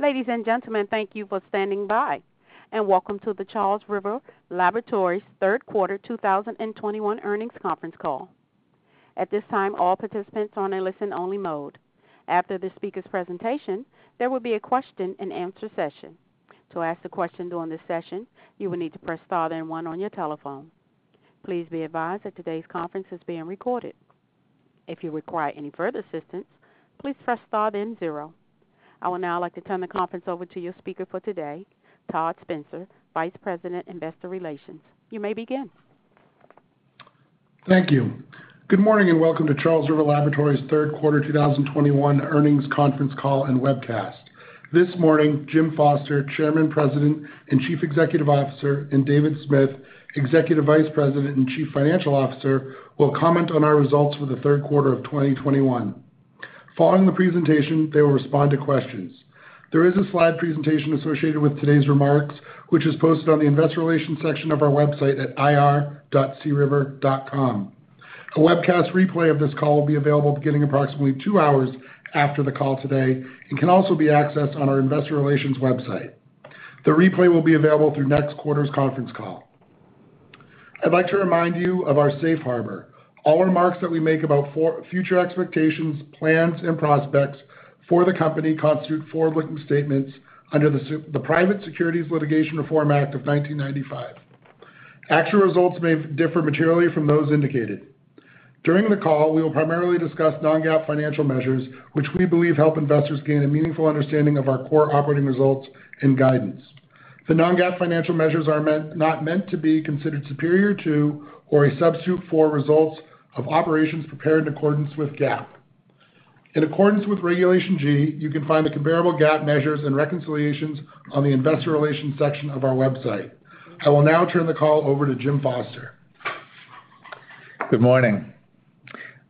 Ladies and gentlemen, thank you for standing by and welcome to the Charles River Laboratories third quarter 2021 earnings conference call. At this time, all participants are on a listen-only mode. After the speaker's presentation, there will be a question-and-answer session. To ask the questions during this session, you will need to press star then one on your telephone. Please be advised that today's conference is being recorded. If you require any further assistance, please press star then zero. I would now like to turn the conference over to your speaker for today, Todd Spencer, Vice President, Investor Relations. You may begin. Thank you. Good morning and welcome to Charles River Laboratories third quarter 2021 earnings conference call and webcast. This morning, Jim Foster, Chairman, President, and Chief Executive Officer, and David Smith, Executive Vice President and Chief Financial Officer, will comment on our results for the third quarter of 2021. Following the presentation, they will respond to questions. There is a slide presentation associated with today's remarks, which is posted on the investor relations section of our website at ir.criver.com. A webcast replay of this call will be available beginning approximately two hours after the call today and can also be accessed on our investor relations website. The replay will be available through next quarter's conference call. I'd like to remind you of our safe harbor. All remarks that we make about future expectations, plans, and prospects for the company constitute forward-looking statements under the Private Securities Litigation Reform Act of 1995. Actual results may differ materially from those indicated. During the call, we will primarily discuss non-GAAP financial measures, which we believe help investors gain a meaningful understanding of our core operating results and guidance. The non-GAAP financial measures are not meant to be considered superior to or a substitute for results of operations prepared in accordance with GAAP. In accordance with Regulation G, you can find the comparable GAAP measures and reconciliations on the investor relations section of our website. I will now turn the call over to Jim Foster. Good morning.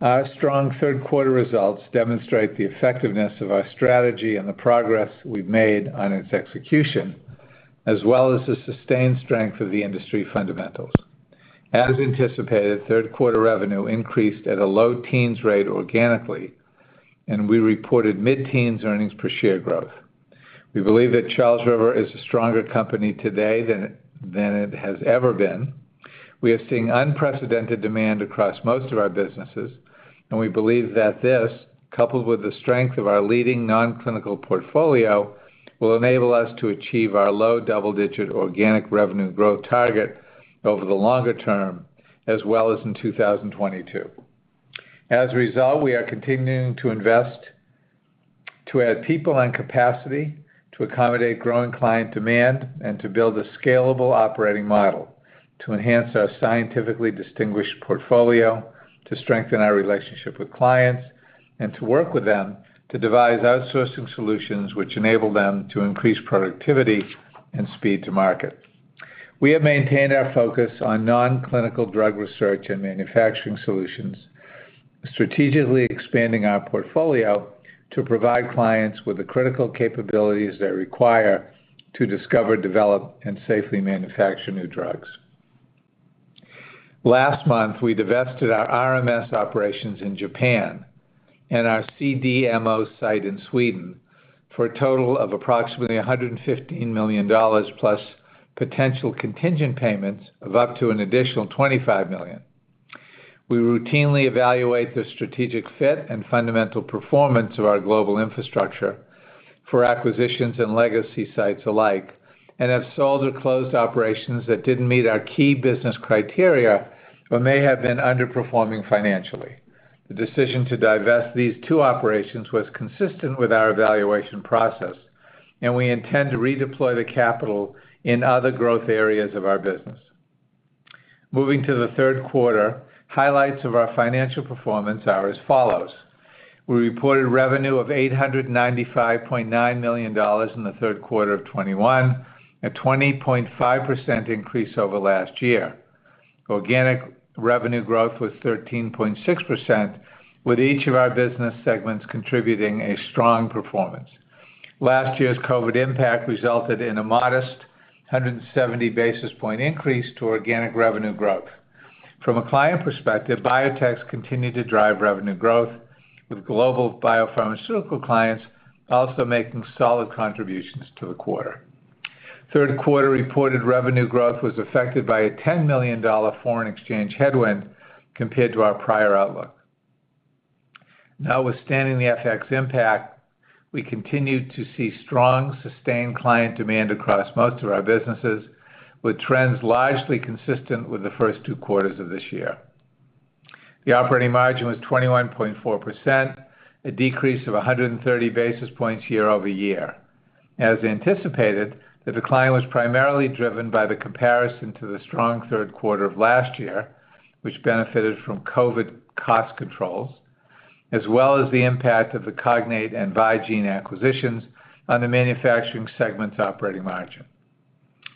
Our strong third quarter results demonstrate the effectiveness of our strategy and the progress we've made on its execution, as well as the sustained strength of the industry fundamentals. As anticipated, third quarter revenue increased at a low-teens rate organically, and we reported mid-teens earnings per share growth. We believe that Charles River is a stronger company today than it has ever been. We are seeing unprecedented demand across most of our businesses, and we believe that this, coupled with the strength of our leading non-clinical portfolio, will enable us to achieve our low double-digit organic revenue growth target over the longer term as well as in 2022. As a result, we are continuing to invest to add people and capacity to accommodate growing client demand and to build a scalable operating model to enhance our scientifically distinguished portfolio, to strengthen our relationship with clients, and to work with them to devise outsourcing solutions which enable them to increase productivity and speed to market. We have maintained our focus on non-clinical drug research and manufacturing solutions, strategically expanding our portfolio to provide clients with the critical capabilities they require to discover, develop, and safely manufacture new drugs. Last month, we divested our RMS operations in Japan and our CDMO site in Sweden for a total of approximately $115 million plus potential contingent payments of up to an additional $25 million. We routinely evaluate the strategic fit and fundamental performance of our global infrastructure for acquisitions and legacy sites alike and have sold or closed operations that didn't meet our key business criteria or may have been underperforming financially. The decision to divest these two operations was consistent with our evaluation process, and we intend to redeploy the capital in other growth areas of our business. Moving to the third quarter, highlights of our financial performance are as follows. We reported revenue of $895.9 million in the third quarter of 2021, a 20.5% increase over last year. Organic revenue growth was 13.6%, with each of our business segments contributing a strong performance. Last year's COVID impact resulted in a modest 170 basis point increase to organic revenue growth. From a client perspective, biotechs continued to drive revenue growth, with global biopharmaceutical clients also making solid contributions to the quarter. Third quarter reported revenue growth was affected by a $10 million foreign exchange headwind compared to our prior outlook. Notwithstanding the FX impact, we continued to see strong, sustained client demand across most of our businesses, with trends largely consistent with the first two quarters of this year. The operating margin was 21.4%, a decrease of 130 basis points year-over-year. As anticipated, the decline was primarily driven by the comparison to the strong third quarter of last year, which benefited from COVID cost controls, as well as the impact of the Cognate and Vigene acquisitions on the manufacturing segment's operating margin.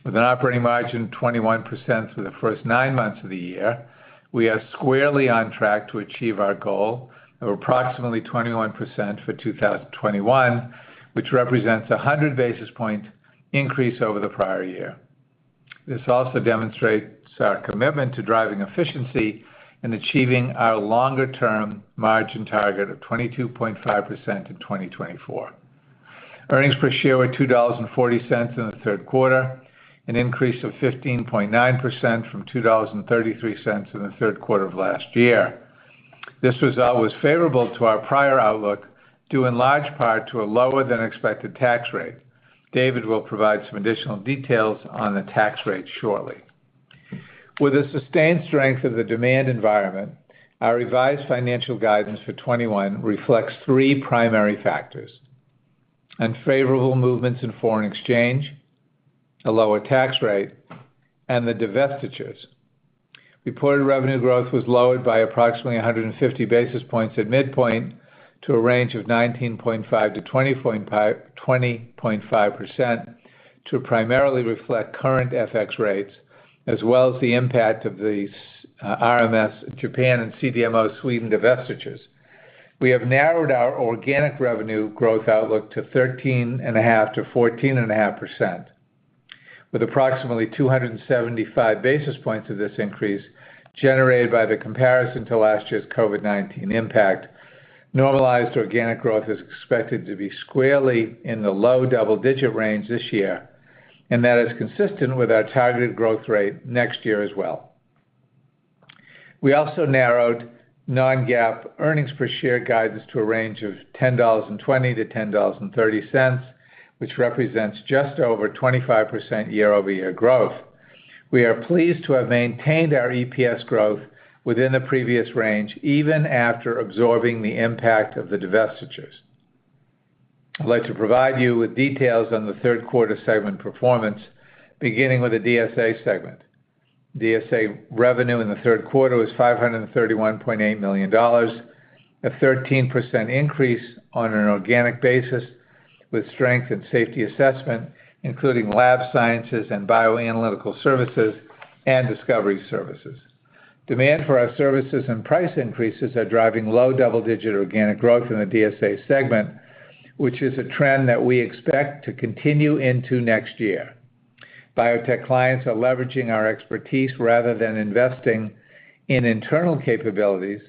With an operating margin of 21% for the first nine months of the year, we are squarely on track to achieve our goal of approximately 21% for 2021, which represents a 100 basis point increase over the prior year. This also demonstrates our commitment to driving efficiency and achieving our longer-term margin target of 22.5% in 2024. Earnings per share were $2.40 in the third quarter, an increase of 15.9% from $2.33 in the third quarter of last year. This result was favorable to our prior outlook, due in large part to a lower-than-expected tax rate. David Smith will provide some additional details on the tax rate shortly. With the sustained strength of the demand environment, our revised financial guidance for 2021 reflects three primary factors, unfavorable movements in foreign exchange, a lower tax rate, and the divestitures. Reported revenue growth was lowered by approximately 150 basis points at midpoint to a range of 19.5%-20.5% to primarily reflect current FX rates as well as the impact of these RMS Japan and CDMO Sweden divestitures. We have narrowed our organic revenue growth outlook to 13.5%-14.5%, with approximately 275 basis points of this increase generated by the comparison to last year's COVID-19 impact. Normalized organic growth is expected to be squarely in the low double-digit range this year, and that is consistent with our targeted growth rate next year as well. We also narrowed non-GAAP earnings per share guidance to a range of $10.20-$10.30, which represents just over 25% year-over-year growth. We are pleased to have maintained our EPS growth within the previous range, even after absorbing the impact of the divestitures. I'd like to provide you with details on the third quarter segment performance, beginning with the DSA segment. DSA revenue in the third quarter was $531.8 million, a 13% increase on an organic basis, with strength in safety assessment, including lab sciences and bioanalytical services and discovery services. Demand for our services and price increases are driving low double-digit organic growth in the DSA segment, which is a trend that we expect to continue into next year. Biotech clients are leveraging our expertise rather than investing in internal capabilities,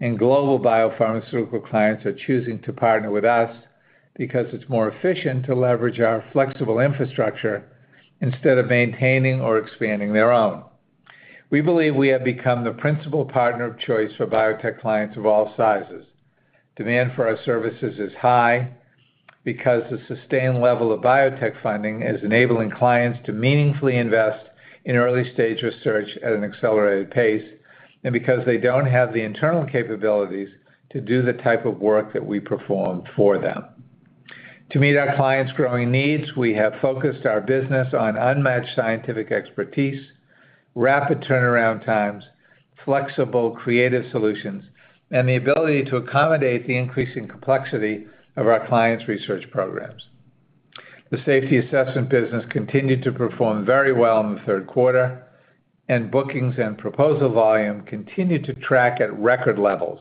and global biopharmaceutical clients are choosing to partner with us because it's more efficient to leverage our flexible infrastructure instead of maintaining or expanding their own. We believe we have become the principal partner of choice for biotech clients of all sizes. Demand for our services is high because the sustained level of biotech funding is enabling clients to meaningfully invest in early-stage research at an accelerated pace, and because they don't have the internal capabilities to do the type of work that we perform for them. To meet our clients' growing needs, we have focused our business on unmatched scientific expertise, rapid turnaround times, flexible, creative solutions, and the ability to accommodate the increasing complexity of our clients' research programs. The safety assessment business continued to perform very well in the third quarter, and bookings and proposal volume continued to track at record levels.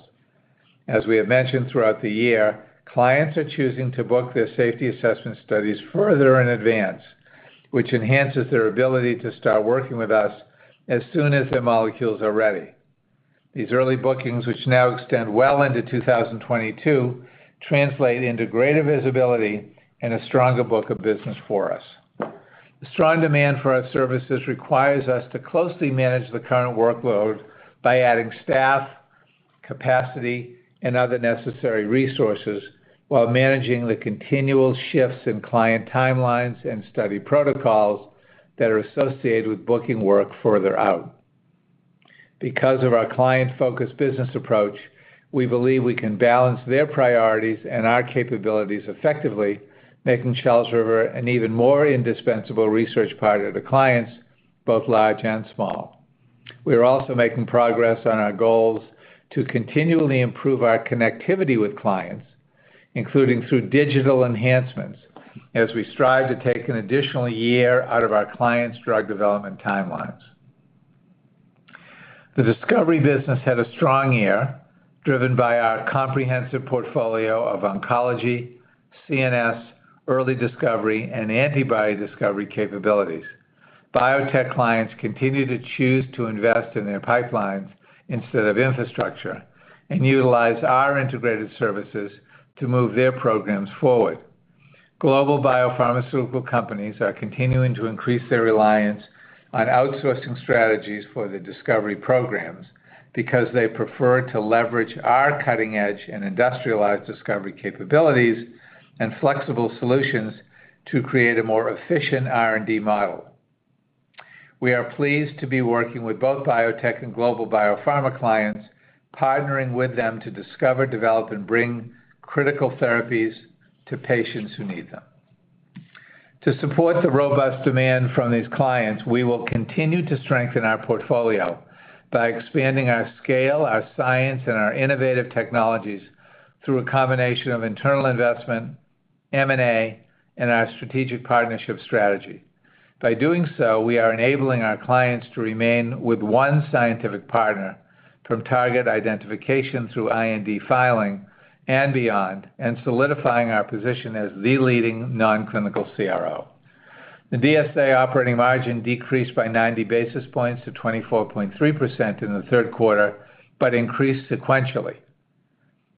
As we have mentioned throughout the year, clients are choosing to book their safety assessment studies further in advance, which enhances their ability to start working with us as soon as their molecules are ready. These early bookings, which now extend well into 2022, translate into greater visibility and a stronger book of business for us. The strong demand for our services requires us to closely manage the current workload by adding staff, capacity, and other necessary resources while managing the continual shifts in client timelines and study protocols that are associated with booking work further out. Because of our client-focused business approach, we believe we can balance their priorities and our capabilities effectively, making Charles River an even more indispensable research partner to clients, both large and small. We are also making progress on our goals to continually improve our connectivity with clients, including through digital enhancements, as we strive to take an additional year out of our clients' drug development timelines. The discovery business had a strong year, driven by our comprehensive portfolio of oncology, CNS, early discovery, and antibody discovery capabilities. Biotech clients continue to choose to invest in their pipelines instead of infrastructure and utilize our integrated services to move their programs forward. Global biopharmaceutical companies are continuing to increase their reliance on outsourcing strategies for their discovery programs because they prefer to leverage our cutting-edge and industrialized discovery capabilities and flexible solutions to create a more efficient R&D model. We are pleased to be working with both biotech and global biopharma clients, partnering with them to discover, develop, and bring critical therapies to patients who need them. To support the robust demand from these clients, we will continue to strengthen our portfolio by expanding our scale, our science, and our innovative technologies through a combination of internal investment, M&A, and our strategic partnership strategy. By doing so, we are enabling our clients to remain with one scientific partner. From target identification through IND filing and beyond, and solidifying our position as the leading non-clinical CRO. The DSA operating margin decreased by 90 basis points to 24.3% in the third quarter, but increased sequentially.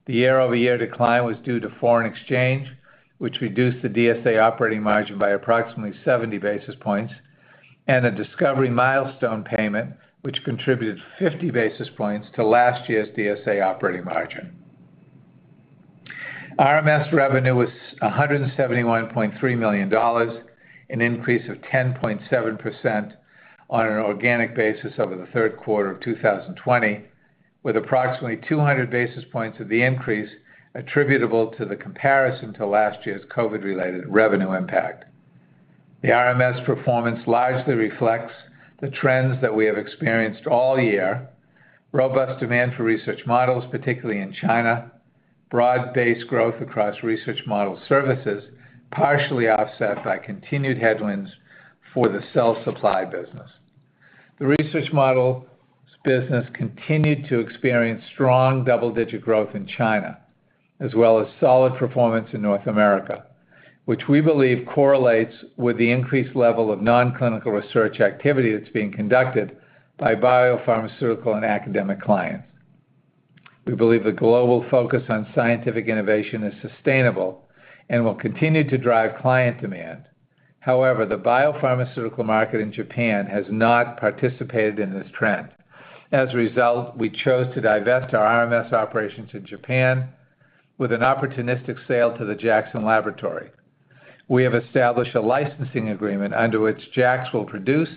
The year-over-year decline was due to foreign exchange, which reduced the DSA operating margin by approximately 70 basis points and a discovery milestone payment, which contributed 50 basis points to last year's DSA operating margin. RMS revenue was $171.3 million, an increase of 10.7% on an organic basis over the third quarter of 2020, with approximately 200 basis points of the increase attributable to the comparison to last year's COVID-related revenue impact. The RMS performance largely reflects the trends that we have experienced all year. Robust demand for research models, particularly in China, broad-based growth across research model services, partially offset by continued headwinds for the cell supply business. The research model business continued to experience strong double-digit growth in China, as well as solid performance in North America, which we believe correlates with the increased level of non-clinical research activity that's being conducted by biopharmaceutical and academic clients. We believe the global focus on scientific innovation is sustainable and will continue to drive client demand. However, the biopharmaceutical market in Japan has not participated in this trend. As a result, we chose to divest our RMS operations in Japan with an opportunistic sale to The Jackson Laboratory. We have established a licensing agreement under which JAX will produce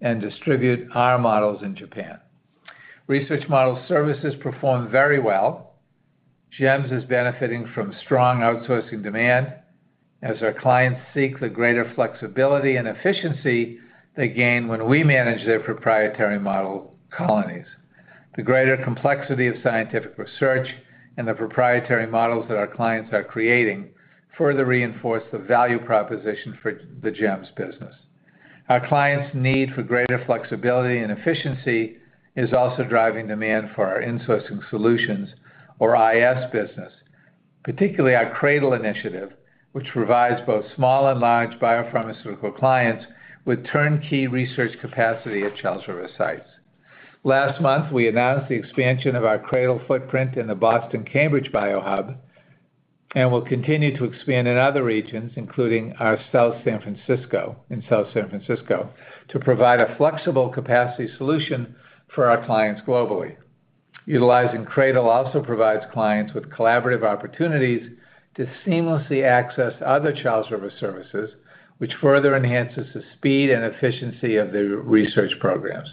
and distribute our models in Japan. Research model services performed very well. GEMS is benefiting from strong outsourcing demand as our clients seek the greater flexibility and efficiency they gain when we manage their proprietary model colonies. The greater complexity of scientific research and the proprietary models that our clients are creating further reinforce the value proposition for the GEMS business. Our clients' need for greater flexibility and efficiency is also driving demand for our insourcing solutions or IS business, particularly our Cradle initiative, which provides both small and large biopharmaceutical clients with turnkey research capacity at Charles River sites. Last month, we announced the expansion of our Cradle footprint in the Boston-Cambridge BioHub and will continue to expand in other regions, including our South San Francisco, to provide a flexible capacity solution for our clients globally. Utilizing Cradle also provides clients with collaborative opportunities to seamlessly access other Charles River services, which further enhances the speed and efficiency of their research programs.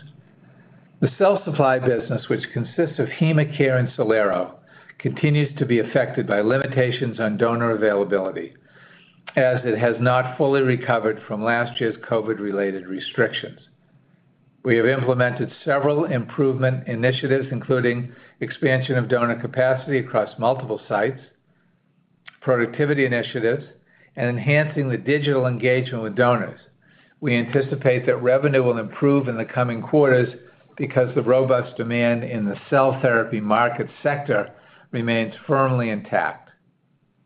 The cell supply business, which consists of HemaCare and Cellero, continues to be affected by limitations on donor availability, as it has not fully recovered from last year's COVID-related restrictions. We have implemented several improvement initiatives, including expansion of donor capacity across multiple sites, productivity initiatives, and enhancing the digital engagement with donors. We anticipate that revenue will improve in the coming quarters because the robust demand in the cell therapy market sector remains firmly intact.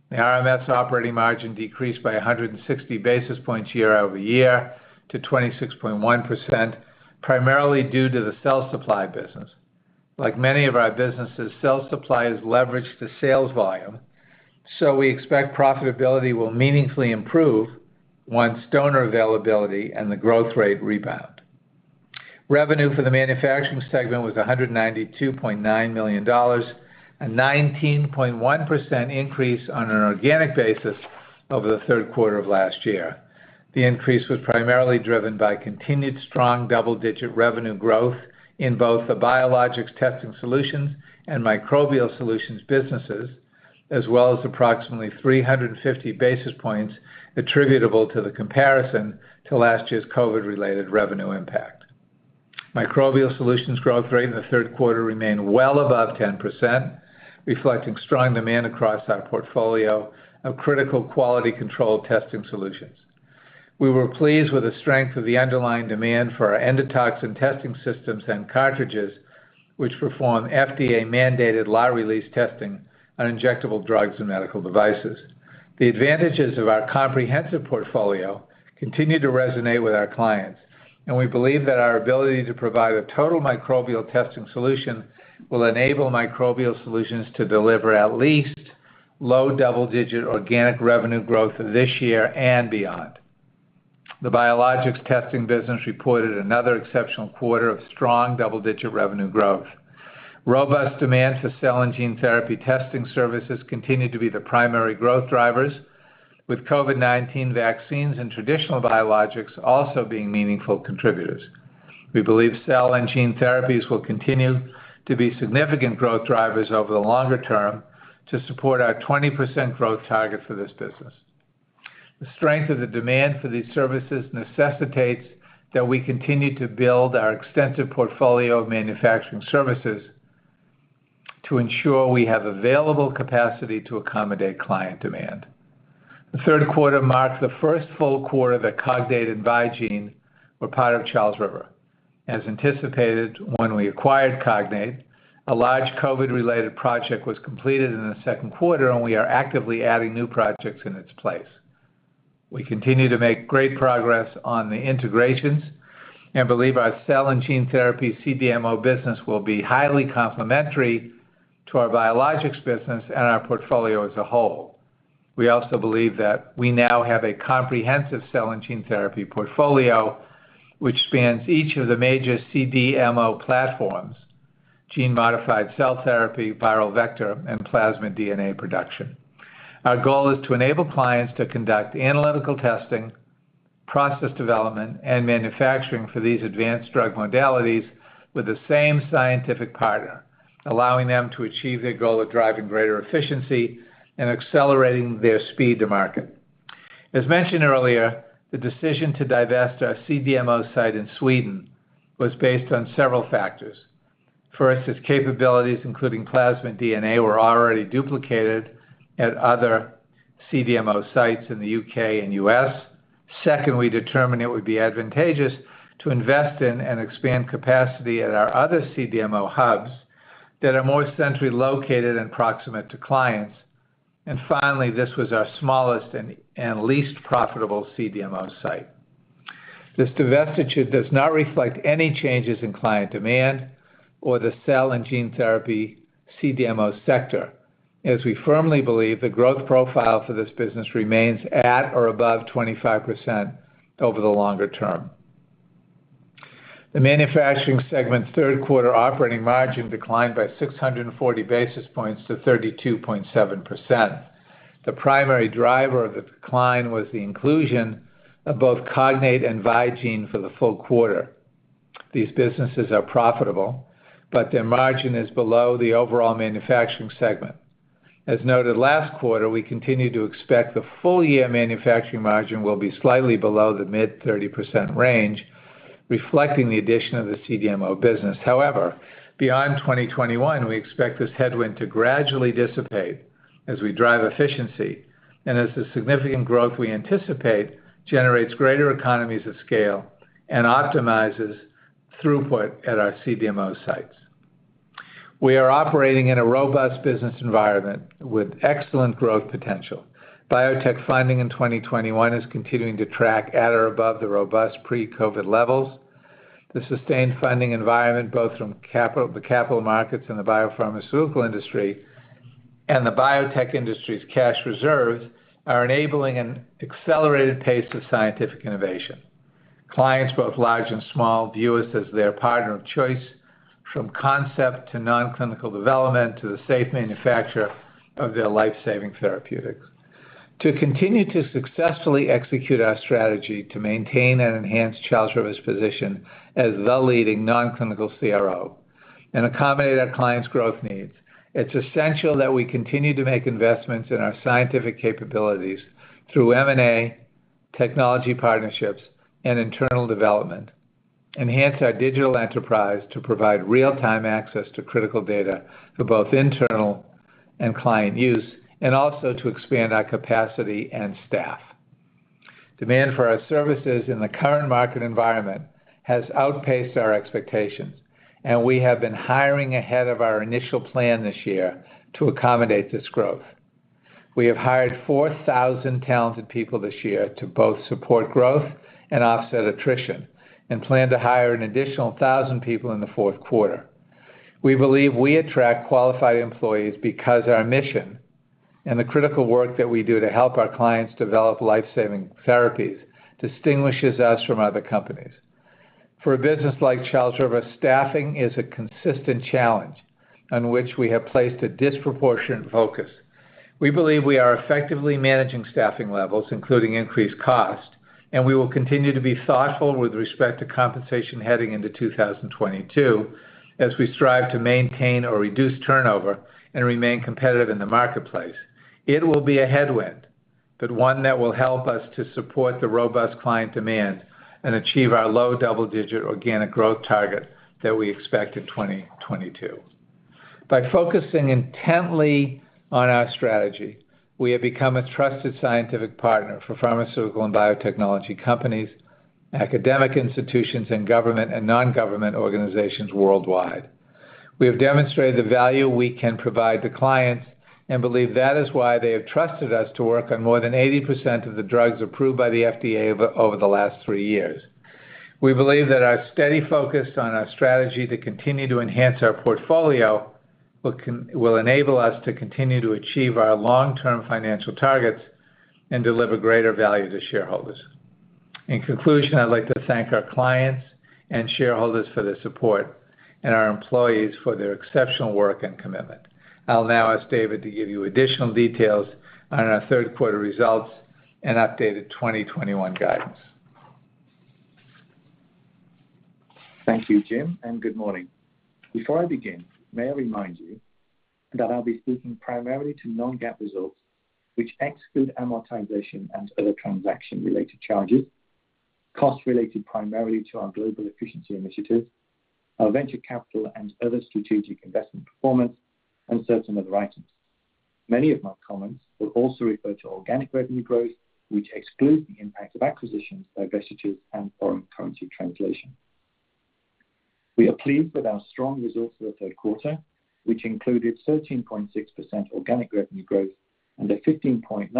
The RMS operating margin decreased by 160 basis points year-over-year to 26.1%, primarily due to the cell supply business. Like many of our businesses, cell supply has leveraged the sales volume, so we expect profitability will meaningfully improve once donor availability and the growth rate rebound. Revenue for the manufacturing segment was $192.9 million, a 19.1% increase on an organic basis over the third quarter of last year. The increase was primarily driven by continued strong double-digit revenue growth in both the Biologics Testing Solutions and Microbial Solutions businesses, as well as approximately 350 basis points attributable to the comparison to last year's COVID-related revenue impact. Microbial Solutions growth rate in the third quarter remained well above 10%, reflecting strong demand across our portfolio of critical quality control testing solutions. We were pleased with the strength of the underlying demand for our endotoxin testing systems and cartridges, which perform FDA-mandated lot release testing on injectable drugs and medical devices. The advantages of our comprehensive portfolio continue to resonate with our clients, and we believe that our ability to provide a total microbial testing solution will enable Microbial Solutions to deliver at least low double-digit organic revenue growth this year and beyond. The Biologics testing business reported another exceptional quarter of strong double-digit revenue growth. Robust demand for cell and gene therapy testing services continued to be the primary growth drivers, with COVID-19 vaccines and traditional biologics also being meaningful contributors. We believe cell and gene therapies will continue to be significant growth drivers over the longer term to support our 20% growth target for this business. The strength of the demand for these services necessitates that we continue to build our extensive portfolio of manufacturing services. To ensure we have available capacity to accommodate client demand. The third quarter marks the first full quarter that Cognate and Vigene were part of Charles River. As anticipated, when we acquired Cognate, a large COVID-related project was completed in the second quarter, and we are actively adding new projects in its place. We continue to make great progress on the integrations and believe our cell and gene therapy CDMO business will be highly complementary to our biologics business and our portfolio as a whole. We also believe that we now have a comprehensive cell and gene therapy portfolio which spans each of the major CDMO platforms, gene-modified cell therapy, viral vector, and plasmid DNA production. Our goal is to enable clients to conduct analytical testing, process development, and manufacturing for these advanced drug modalities with the same scientific partner, allowing them to achieve their goal of driving greater efficiency and accelerating their speed to market. As mentioned earlier, the decision to divest our CDMO site in Sweden was based on several factors. First, its capabilities, including plasmid DNA, were already duplicated at other CDMO sites in the U.K. and U.S. Second, we determined it would be advantageous to invest in and expand capacity at our other CDMO hubs that are more centrally located and proximate to clients. Finally, this was our smallest and least profitable CDMO site. This divestiture does not reflect any changes in client demand or the cell and gene therapy CDMO sector, as we firmly believe the growth profile for this business remains at or above 25% over the longer term. The manufacturing segment's third quarter operating margin declined by 640 basis points to 32.7%. The primary driver of the decline was the inclusion of both Cognate and Vigene for the full quarter. These businesses are profitable, but their margin is below the overall manufacturing segment. As noted last quarter, we continue to expect the full-year manufacturing margin will be slightly below the mid-30% range, reflecting the addition of the CDMO business. However, beyond 2021, we expect this headwind to gradually dissipate as we drive efficiency and as the significant growth we anticipate generates greater economies of scale and optimizes throughput at our CDMO sites. We are operating in a robust business environment with excellent growth potential. Biotech funding in 2021 is continuing to track at or above the robust pre-COVID levels. The sustained funding environment, both from the capital markets and the biopharmaceutical industry and the biotech industry's cash reserves, are enabling an accelerated pace of scientific innovation. Clients, both large and small, view us as their partner of choice from concept to non-clinical development to the safe manufacture of their life-saving therapeutics. To continue to successfully execute our strategy to maintain and enhance Charles River's position as the leading non-clinical CRO and accommodate our clients' growth needs, it's essential that we continue to make investments in our scientific capabilities through M&A, technology partnerships, and internal development, enhance our digital enterprise to provide real-time access to critical data for both internal and client use, and also to expand our capacity and staff. Demand for our services in the current market environment has outpaced our expectations, and we have been hiring ahead of our initial plan this year to accommodate this growth. We have hired 4,000 talented people this year to both support growth and offset attrition and plan to hire an additional 1,000 people in the fourth quarter. We believe we attract qualified employees because our mission and the critical work that we do to help our clients develop life-saving therapies distinguishes us from other companies. For a business like Charles River, staffing is a consistent challenge on which we have placed a disproportionate focus. We believe we are effectively managing staffing levels, including increased cost, and we will continue to be thoughtful with respect to compensation heading into 2022 as we strive to maintain or reduce turnover and remain competitive in the marketplace. It will be a headwind, but one that will help us to support the robust client demand and achieve our low double-digit organic growth target that we expect in 2022. By focusing intently on our strategy, we have become a trusted scientific partner for pharmaceutical and biotechnology companies, academic institutions, and government and non-government organizations worldwide. We have demonstrated the value we can provide to clients and believe that is why they have trusted us to work on more than 80% of the drugs approved by the FDA over the last three years. We believe that our steady focus on our strategy to continue to enhance our portfolio will enable us to continue to achieve our long-term financial targets and deliver greater value to shareholders. In conclusion, I'd like to thank our clients and shareholders for their support and our employees for their exceptional work and commitment. I'll now ask David Smith to give you additional details on our third quarter results and updated 2021 guidance. Thank you, Jim Foster, and good morning. Before I begin, may I remind you that I'll be speaking primarily to non-GAAP results, which exclude amortization and other transaction-related charges, costs related primarily to our global efficiency initiatives, our venture capital and other strategic investment performance, and certain other items. Many of my comments will also refer to organic revenue growth, which excludes the impact of acquisitions, divestitures, and foreign currency translation. We are pleased with our strong results for the third quarter, which included 13.6% organic revenue growth and a 15.9%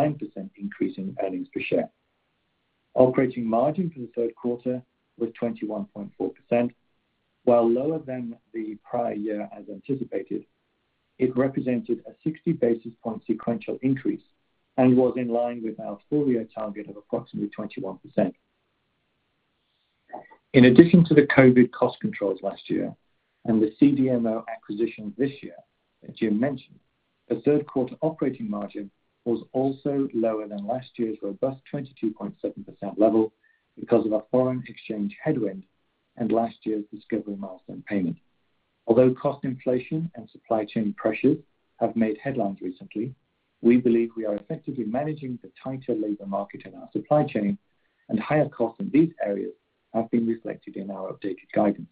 increase in earnings per share. Operating margin for the third quarter was 21.4%. While lower than the prior year as anticipated, it represented a 60 basis point sequential increase and was in line with our full-year target of approximately 21%. In addition to the COVID cost controls last year and the CDMO acquisition this year that Jim Foster mentioned, the third quarter operating margin was also lower than last year's robust 22.7% level because of a foreign exchange headwind and last year's discovery milestone payment. Although cost inflation and supply chain pressures have made headlines recently, we believe we are effectively managing the tighter labor market in our supply chain and higher costs in these areas have been reflected in our updated guidance.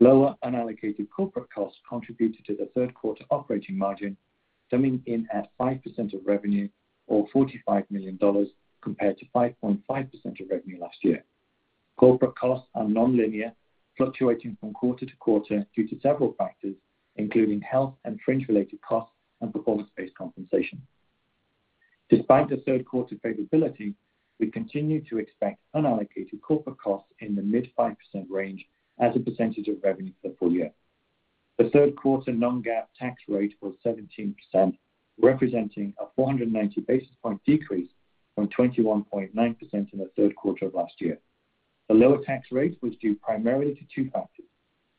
Lower unallocated corporate costs contributed to the third quarter operating margin, coming in at 5% of revenue or $45 million compared to 5.5% of revenue last year. Corporate costs are non-linear, fluctuating from quarter to quarter due to several factors, including health and fringe-related costs and performance-based compensation. Despite the third quarter favorability, we continue to expect unallocated corporate costs in the mid-5% range as a percentage of revenue for the full year. The third quarter non-GAAP tax rate was 17%, representing a 490 basis point decrease from 21.9% in the third quarter of last year. The lower tax rate was due primarily to two factors,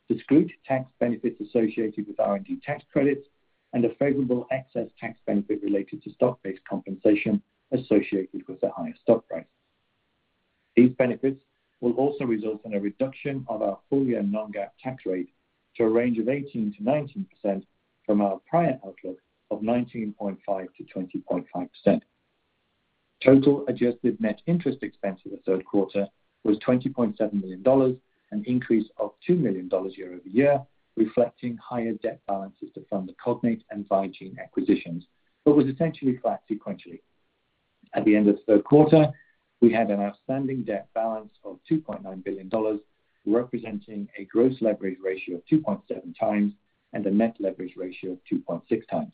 the accrued tax benefits associated with R&D tax credits and a favorable excess tax benefit related to stock-based compensation associated with the higher stock price. These benefits will also result in a reduction of our full-year non-GAAP tax rate to a range of 18%-19% from our prior outlook of 19.5%-20.5%. Total adjusted net interest expense for the third quarter was $20.7 million, an increase of $2 million year-over-year, reflecting higher debt balances to fund the Cognate and Vigene acquisitions, but was essentially flat sequentially. At the end of third quarter, we had an outstanding debt balance of $2.9 billion, representing a gross leverage ratio of 2.7x and a net leverage ratio of 2.6x.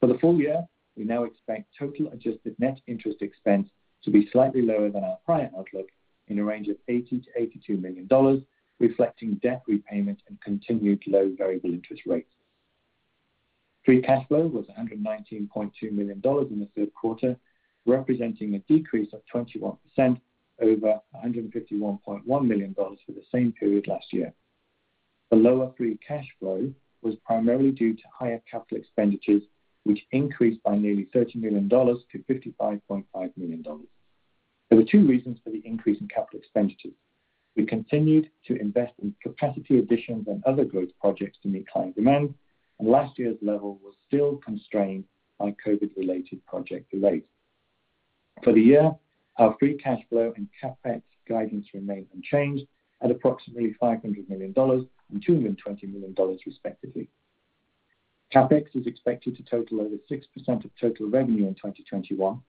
For the full year, we now expect total adjusted net interest expense to be slightly lower than our prior outlook in a range of $80 million-$82 million, reflecting debt repayment and continued low variable interest rates. Free cash flow was $119.2 million in the third quarter, representing a decrease of 21% over $151.1 million for the same period last year. The lower free cash flow was primarily due to higher capital expenditures, which increased by nearly $30 million to $55.5 million. There were two reasons for the increase in capital expenditures. We continued to invest in capacity additions and other growth projects to meet client demand, and last year's level was still constrained by COVID-related project delays. For the year, our free cash flow and CapEx guidance remained unchanged at approximately $500 million and $220 million, respectively. CapEx is expected to total over 6% of total revenue in 2021.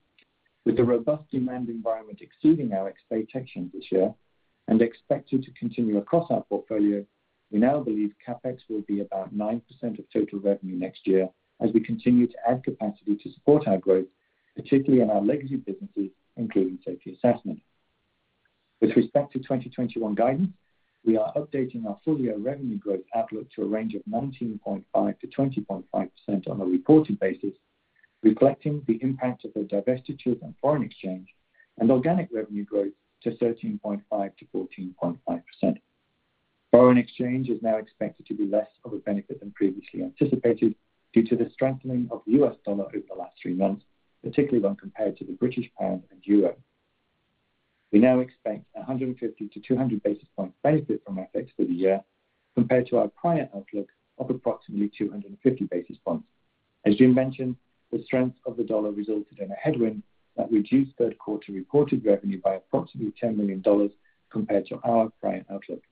With the robust demand environment exceeding our expectations this year and expected to continue across our portfolio, we now believe CapEx will be about 9% of total revenue next year as we continue to add capacity to support our growth, particularly in our legacy businesses, including Safety Assessment. With respect to 2021 guidance, we are updating our full-year revenue growth outlook to a range of 19.5%-20.5% on a reported basis, reflecting the impact of the divestitures on foreign exchange and organic revenue growth to 13.5%-14.5%. Foreign exchange is now expected to be less of a benefit than previously anticipated due to the strengthening of the U.S. dollar over the last three months, particularly when compared to the British pound and euro. We now expect 150-200 basis points benefit from FX for the year compared to our prior outlook of approximately 250 basis points. As Jim Foster mentioned, the strength of the dollar resulted in a headwind that reduced third quarter reported revenue by approximately $10 million compared to our prior outlook.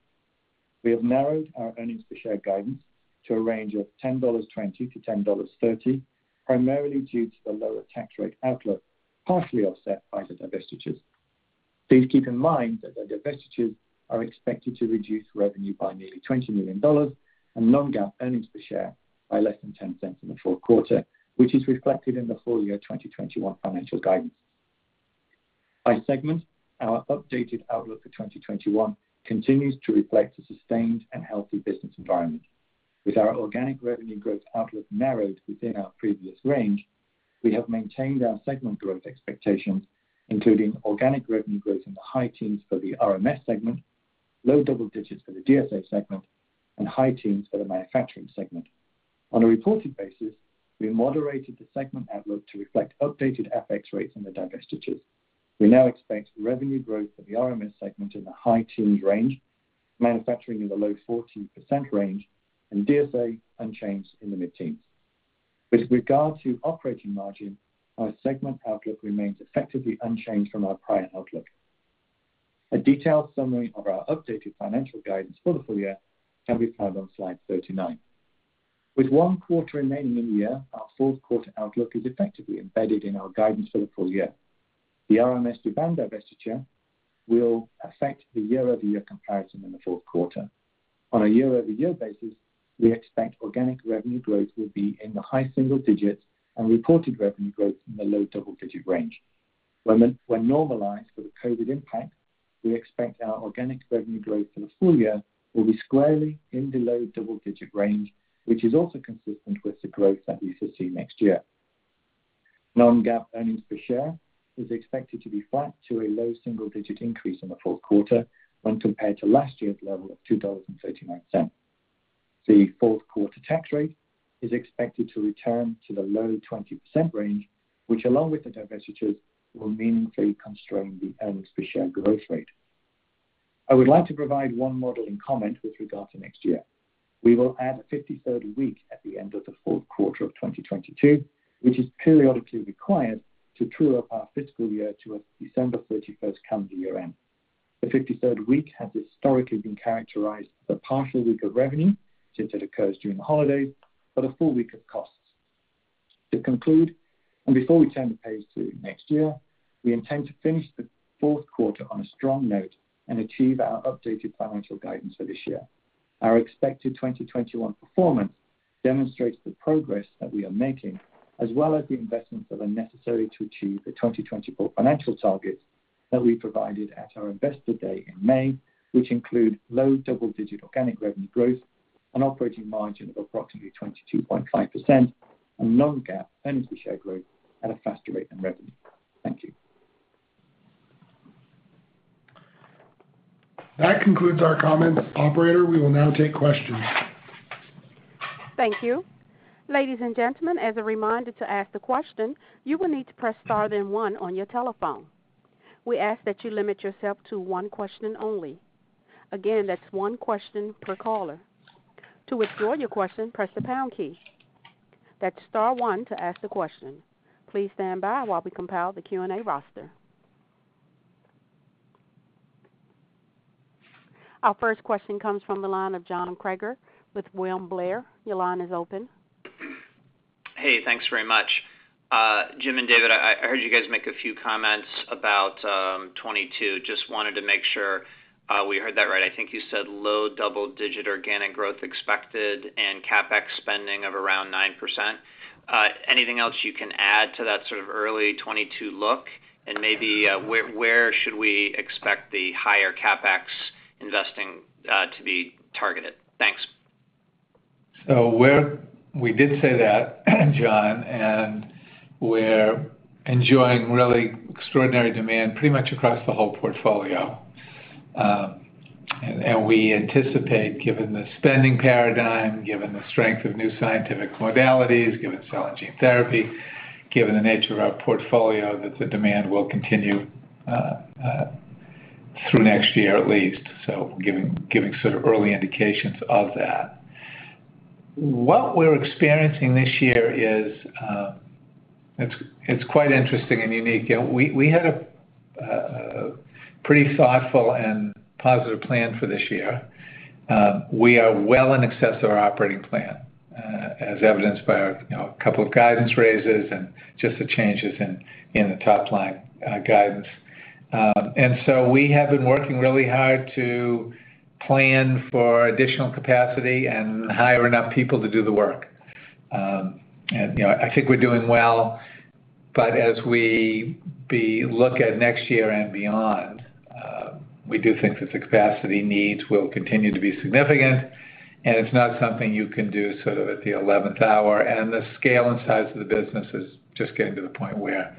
We have narrowed our earnings per share guidance to a range of $10.20-$10.30, primarily due to the lower tax rate outlook, partially offset by the divestitures. Please keep in mind that the divestitures are expected to reduce revenue by nearly $20 million and non-GAAP earnings per share by less than $0.10 in the fourth quarter, which is reflected in the full-year 2021 financial guidance. By segment, our updated outlook for 2021 continues to reflect a sustained and healthy business environment. With our organic revenue growth outlook narrowed within our previous range, we have maintained our segment growth expectations, including organic revenue growth in the high teens for the RMS segment, low double digits for the DSA segment, and high teens for the manufacturing segment. On a reported basis, we moderated the segment outlook to reflect updated FX rates on the divestitures. We now expect revenue growth for the RMS segment in the high teens range, manufacturing in the low 14% range, and DSA unchanged in the mid-teens. With regard to operating margin, our segment outlook remains effectively unchanged from our prior outlook. A detailed summary of our updated financial guidance for the full year can be found on slide 39. With one quarter remaining in the year, our fourth quarter outlook is effectively embedded in our guidance for the full year. The RMS Japan divestiture will affect the year-over-year comparison in the fourth quarter. On a year-over-year basis, we expect organic revenue growth will be in the high single digits and reported revenue growth in the low double-digit range. When normalized for the COVID impact, we expect our organic revenue growth for the full year will be squarely in the low double-digit range, which is also consistent with the growth that we foresee next year. non-GAAP earnings per share is expected to be flat to a low single-digit increase in the fourth quarter when compared to last year's level of $2.39. The fourth quarter tax rate is expected to return to the low 20% range, which along with the divestitures, will meaningfully constrain the earnings per share growth rate. I would like to provide one modeling comment with regard to next year. We will add a 53rd week at the end of the fourth quarter of 2022, which is periodically required to true up our fiscal year to a December 31st calendar year-end. The 53rd week has historically been characterized as a partial week of revenue, since it occurs during the holidays, but a full week of costs. To conclude, and before we turn the page to next year, we intend to finish the fourth quarter on a strong note and achieve our updated financial guidance for this year. Our expected 2021 performance demonstrates the progress that we are making, as well as the investments that are necessary to achieve the 2024 financial targets that we provided at our Investor Day in May, which include low double-digit organic revenue growth, an operating margin of approximately 22.5%, a non-GAAP earnings per share growth at a faster rate than revenue. Thank you. That concludes our comments. Operator, we will now take questions. Thank you. Ladies and gentlemen, as a reminder to ask the question, you will need to press star then one on your telephone. We ask that you limit yourself to one question only. Again, that's one question per caller. To withdraw your question, press the pound key. That's star one to ask the question. Please stand by while we compile the Q&A roster. Our first question comes from the line of John Kreger with William Blair, your line is open. Hey, thanks very much. Jim and David, I heard you guys make a few comments about 2022. Just wanted to make sure we heard that right. I think you said low double-digit organic growth expected and CapEx spending of around 9%. Anything else you can add to that sort of early 2022 look? Maybe where should we expect the higher CapEx investing to be targeted? Thanks. We did say that, John, and we're enjoying really extraordinary demand pretty much across the whole portfolio. We anticipate, given the spending paradigm, given the strength of new scientific modalities, given cell and gene therapy, given the nature of our portfolio, that the demand will continue through next year at least. Giving sort of early indications of that. What we're experiencing this year is quite interesting and unique. We had a pretty thoughtful and positive plan for this year. We are well in excess of our operating plan, as evidenced by our, you know, couple of guidance raises and just the changes in the top line guidance. We have been working really hard to plan for additional capacity and hire enough people to do the work. You know, I think we're doing well, but as we look at next year and beyond, we do think that the capacity needs will continue to be significant, and it's not something you can do sort of at the eleventh hour. The scale and size of the business is just getting to the point where,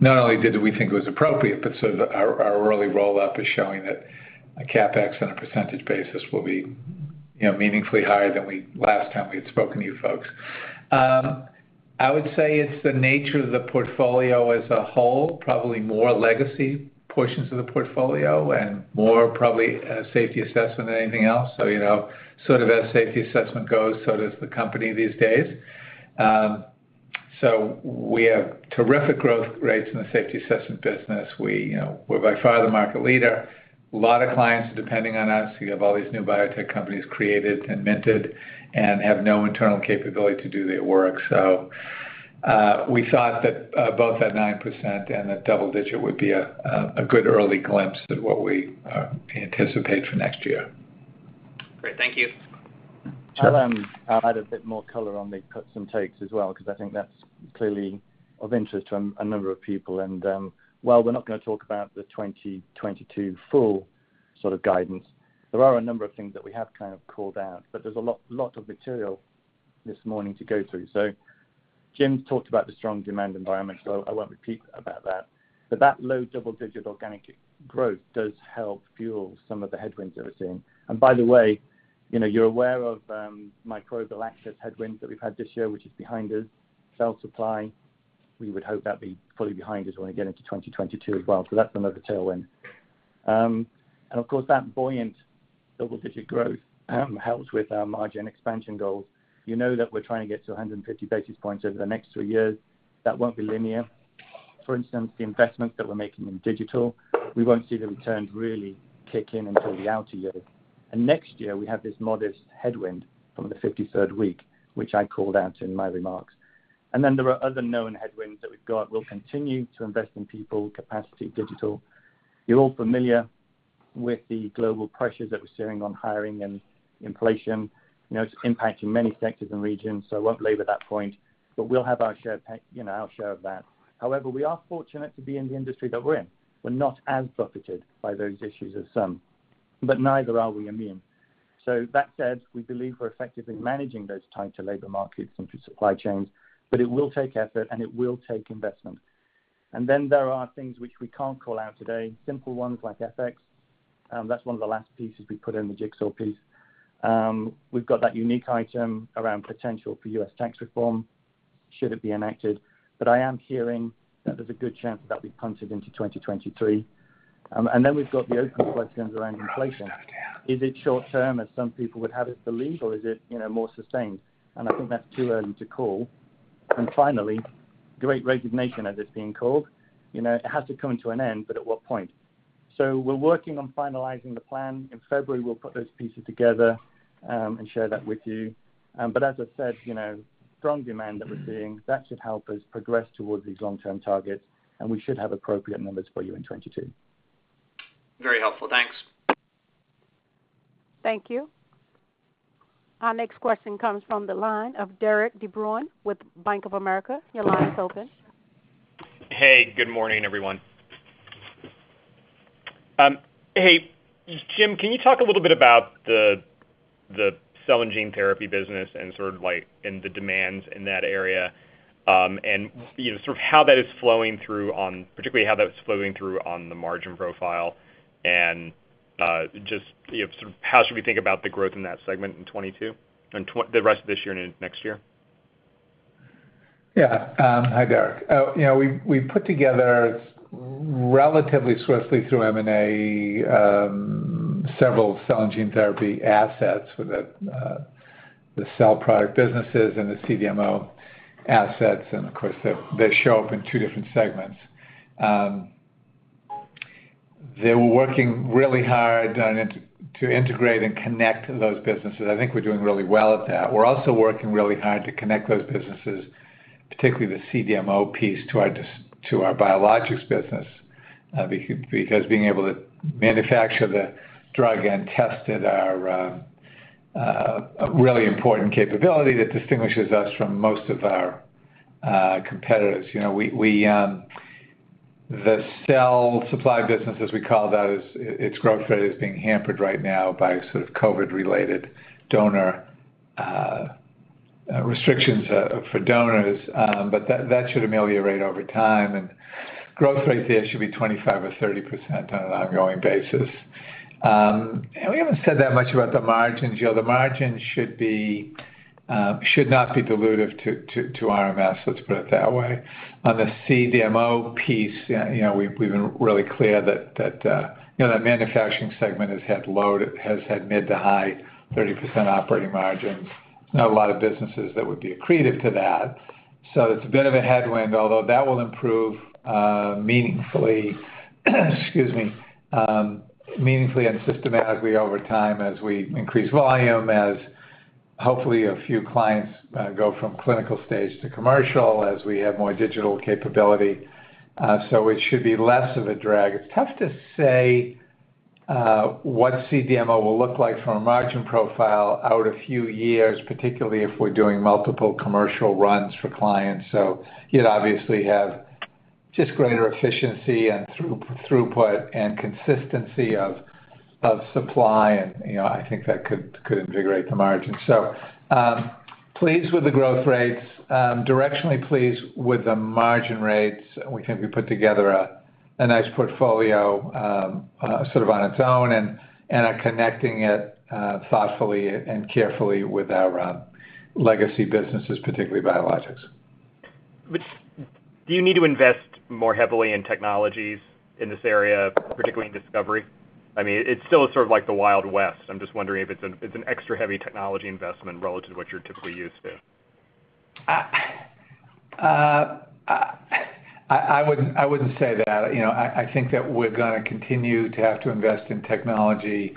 not only did we think it was appropriate, but so our early roll-up is showing that a CapEx on a percentage basis will be, you know, meaningfully higher than last time we had spoken to you folks. I would say it's the nature of the portfolio as a whole, probably more legacy portions of the portfolio and more probably, safety assessment than anything else. You know, sort of as safety assessment goes, so does the company these days. We have terrific growth rates in the safety assessment business. We, you know, we're by far the market leader. A lot of clients are depending on us. You have all these new biotech companies created and minted and have no internal capability to do the work. We thought that both at 9% and at double-digit would be a good early glimpse at what we anticipate for next year. Great. Thank you. Sure. I'll add a bit more color on the cuts and takes as well, 'cause I think that's clearly of interest to a number of people. While we're not gonna talk about the 2022 full sort of guidance, there are a number of things that we have kind of called out, but there's a lot of material this morning to go through. Jim's talked about the strong demand environment, so I won't repeat about that. That low double-digit organic growth does help fuel some of the headwinds that we're seeing. By the way, you know, you're aware of Microbial Solutions headwinds that we've had this year, which is behind us. Cell supply, we would hope that'd be fully behind us when we get into 2022 as well. That's another tailwind. Of course, that buoyant double-digit growth helps with our margin expansion goals. You know that we're trying to get to 150 basis points over the next two years. That won't be linear. For instance, the investments that we're making in digital, we won't see the returns really kick in until the outer years. Next year, we have this modest headwind from the 53rd week, which I called out in my remarks. There are other known headwinds that we've got. We'll continue to invest in people, capacity, digital. You're all familiar with the global pressures that we're seeing on hiring and inflation. You know, it's impacting many sectors and regions, so I won't labor that point. We'll have our share of that, you know. However, we are fortunate to be in the industry that we're in. We're not as buffeted by those issues as some, but neither are we immune. That said, we believe we're effectively managing those tighter labor markets and supply chains, but it will take effort and it will take investment. Then there are things which we can't call out today, simple ones like FX, that's one of the last pieces we put in the jigsaw piece. We've got that unique item around potential for U.S. tax reform, should it be enacted. I am hearing that there's a good chance that'll be punted into 2023. We've got the open questions around inflation. Is it short term, as some people would have us believe, or is it, you know, more sustained? I think that's too early to call. Finally, great resignation as it's being called, you know, it has to come to an end, but at what point? We're working on finalizing the plan. In February, we'll put those pieces together and share that with you. As I said, you know, strong demand that we're seeing, that should help us progress towards these long-term targets, and we should have appropriate numbers for you in 2022. Very helpful. Thanks. Thank you. Our next question comes from the line of Derik De Bruin with Bank of America, your line is open. Hey, good morning, everyone? Hey, Jim Foster, can you talk a little bit about the cell and gene therapy business and the demands in that area, and you know, sort of how that is flowing through, particularly on the margin profile, and just, you know, sort of how should we think about the growth in that segment in 2022, the rest of this year and next year? Yeah. Hi, Derik. You know, we put together relatively swiftly through M&A several cell and gene therapy assets with the cell product businesses and the CDMO assets. Of course, they show up in two different segments. They were working really hard on it to integrate and connect those businesses. I think we're doing really well at that. We're also working really hard to connect those businesses, particularly the CDMO piece, to our biologics business because being able to manufacture the drug and test it are a really important capability that distinguishes us from most of our competitors. You know, the cell supply business, as we call those, its growth rate is being hampered right now by sort of COVID-related donor restrictions for donors. That should ameliorate over time. Growth rate there should be 25% or 30% on an ongoing basis. We haven't said that much about the margins. You know, the margins should not be dilutive to RMS, let's put it that way. On the CDMO piece, you know, we've been really clear that manufacturing segment has had mid- to high 30% operating margins. Not a lot of businesses that would be accretive to that. It's a bit of a headwind, although that will improve meaningfully and systematically over time as we increase volume, as hopefully a few clients go from clinical stage to commercial, as we have more digital capability. It should be less of a drag. It's tough to say what CDMO will look like from a margin profile out a few years, particularly if we're doing multiple commercial runs for clients. You'd obviously have just greater efficiency and throughput and consistency of supply, you know, I think that could integrate the margin. Pleased with the growth rates, directionally pleased with the margin rates. We think we put together a nice portfolio sort of on its own and are connecting it thoughtfully and carefully with our legacy businesses, particularly biologics. Do you need to invest more heavily in technologies in this area, particularly in discovery? I mean, it's still sort of like the Wild West. I'm just wondering if it's an extra heavy technology investment relative to what you're typically used to. I wouldn't say that. You know, I think that we're gonna continue to have to invest in technology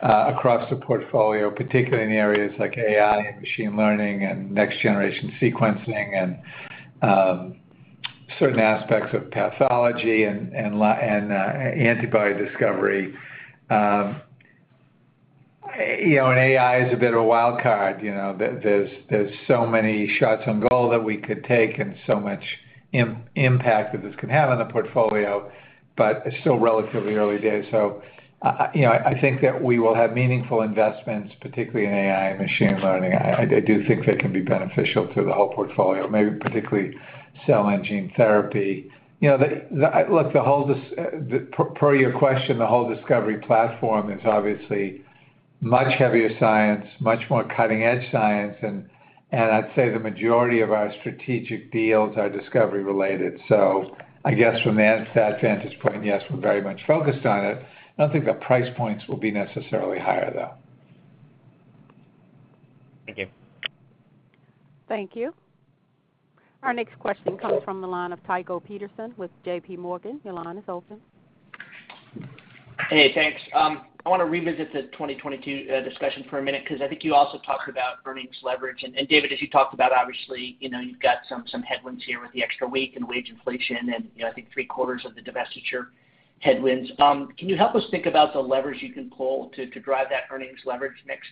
across the portfolio, particularly in the areas like AI and machine learning and next-generation sequencing and certain aspects of pathology and antibody discovery. You know, AI is a bit of a wild card. You know, there's so many shots on goal that we could take and so much impact that this could have on the portfolio, but it's still relatively early days. I think that we will have meaningful investments, particularly in AI and machine learning. I do think they can be beneficial to the whole portfolio, maybe particularly cell and gene therapy. You know, look, per your question, the whole discovery platform is obviously much heavier science, much more cutting-edge science. I'd say the majority of our strategic deals are discovery-related. I guess from the analyst vantage point, yes, we're very much focused on it. I don't think the price points will be necessarily higher, though. Thank you. Thank you. Our next question comes from the line of Tycho Peterson with JPMorgan, your line is open. Hey, thanks. I want to revisit the 2022 discussion for a minute because I think you also talked about earnings leverage. David Smith, as you talked about, obviously, you know, you've got some headwinds here with the extra week and wage inflation and, you know, I think three-quarters of the divestiture headwinds. Can you help us think about the leverage you can pull to drive that earnings leverage next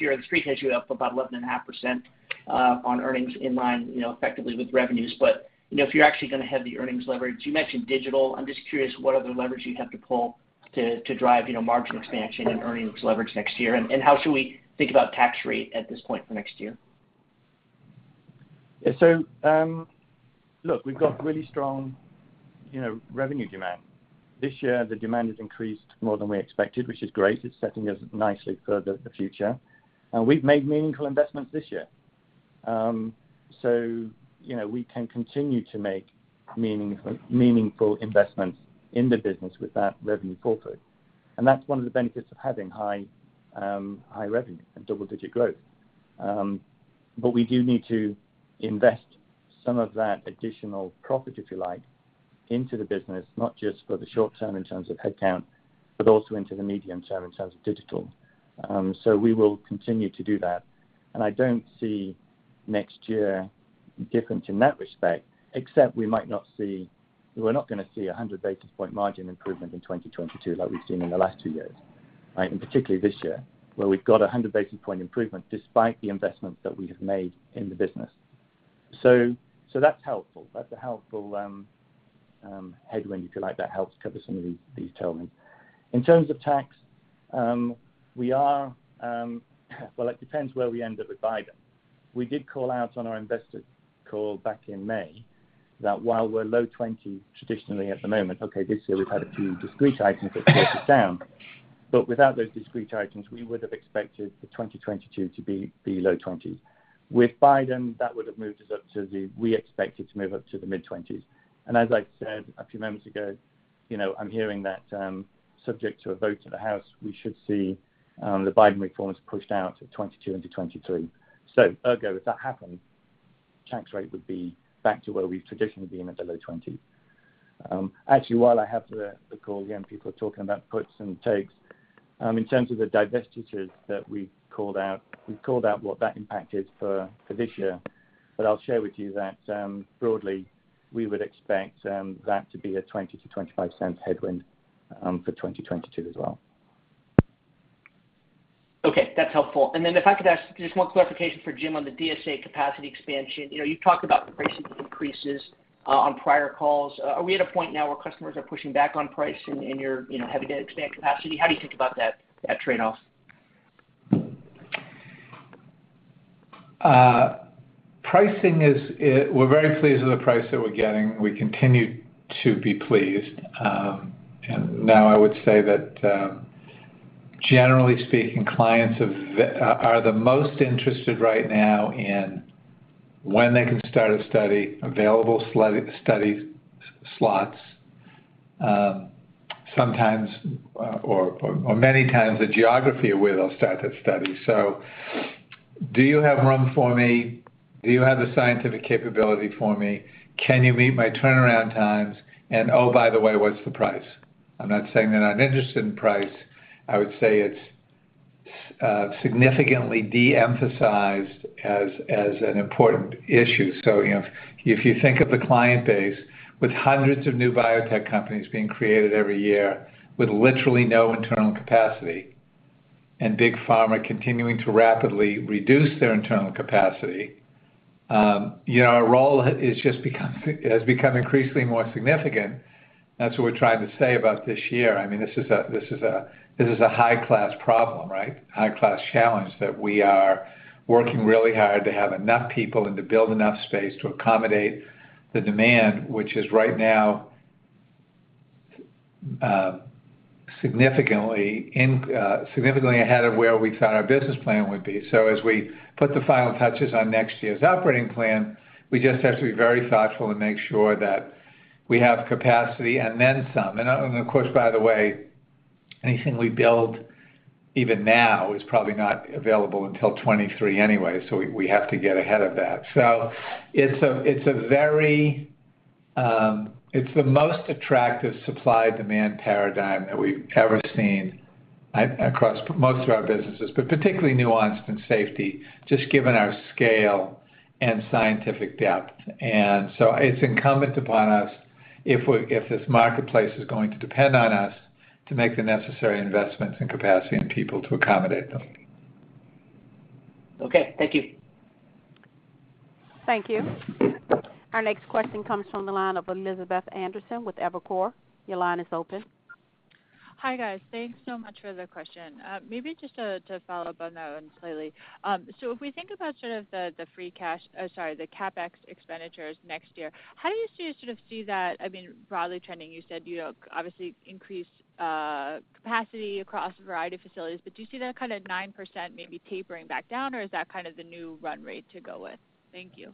year? The Street has you up about 11.5% on earnings in line, you know, effectively with revenues. You know, if you're actually gonna have the earnings leverage, you mentioned digital. I'm just curious what other leverage you'd have to pull to drive, you know, margin expansion and earnings leverage next year. How should we think about tax rate at this point for next year? We've got really strong, you know, revenue demand. This year, the demand has increased more than we expected, which is great. It's setting us nicely for the future. We've made meaningful investments this year. You know, we can continue to make meaningful investments in the business with that revenue footprint. That's one of the benefits of having high revenue and double-digit growth. We do need to invest some of that additional profit, if you like, into the business, not just for the short term in terms of headcount, but also into the medium term in terms of digital. We will continue to do that. I don't see next year different in that respect. We're not gonna see 100 basis point margin improvement in 2022 like we've seen in the last two years, right? Particularly this year, where we've got 100 basis point improvement despite the investments that we have made in the business. So that's helpful. That's a helpful headwind, if you like. That helps cover some of these tailwinds. In terms of tax, we are well, it depends where we end up with Biden. We did call out on our investor call back in May that while we're low 20% traditionally at the moment, okay, this year we've had a few discrete items that took us down, but without those discrete items, we would have expected 2022 to be low 20s%. With Biden, that would have moved us up to the mid-20s%. We expect it to move up to the mid-20s%. As I said a few moments ago, you know, I'm hearing that, subject to a vote in the House, we should see the Biden reforms pushed out to 2022 into 2023. Tycho, if that happened, tax rate would be back to where we've traditionally been at the low 20s%. Actually, while I have the call, again, people are talking about puts and takes. In terms of the divestitures that we've called out, we've called out what that impact is for this year, but I'll share with you that, broadly, we would expect that to be a $0.20-$0.25 headwind for 2022 as well. Okay, that's helpful. If I could ask just one clarification for Jim on the DSA capacity expansion. You know, you've talked about the pricing increases on prior calls. Are we at a point now where customers are pushing back on price and you're, you know, having to expand capacity? How do you think about that trade-off? Pricing is. We're very pleased with the price that we're getting. We continue to be pleased. Now I would say that generally speaking, clients are the most interested right now in when they can start a study, available study slots, sometimes or many times the geography of where they'll start that study. Do you have room for me? Do you have the scientific capability for me? Can you meet my turnaround times? Oh, by the way, what's the price? I'm not saying they're not interested in price. I would say it's significantly de-emphasized as an important issue. You know, if you think of the client base with hundreds of new biotech companies being created every year with literally no internal capacity and Big Pharma continuing to rapidly reduce their internal capacity, you know, our role has just become has become increasingly more significant. That's what we're trying to say about this year. I mean, this is a high-class problem, right? High-class challenge that we are working really hard to have enough people and to build enough space to accommodate the demand, which is right now, significantly ahead of where we thought our business plan would be. As we put the final touches on next year's operating plan, we just have to be very thoughtful and make sure that we have capacity and then some. Of course, by the way, anything we build even now is probably not available until 2023 anyway, so we have to get ahead of that. It's the most attractive supply-demand paradigm that we've ever seen across most of our businesses, but particularly nuanced in safety, just given our scale and scientific depth. It's incumbent upon us if this marketplace is going to depend on us to make the necessary investments in capacity and people to accommodate them. Okay. Thank you. Thank you. Our next question comes from the line of Elizabeth Anderson with Evercore, your line is open. Hi, guys. Thanks so much for the question. Maybe just to follow up on that one slightly. So if we think about sort of the CapEx expenditures next year, how do you see that, I mean, broadly trending? You said you obviously increase capacity across a variety of facilities, but do you see that kind of 9% maybe tapering back down, or is that kind of the new run rate to go with? Thank you.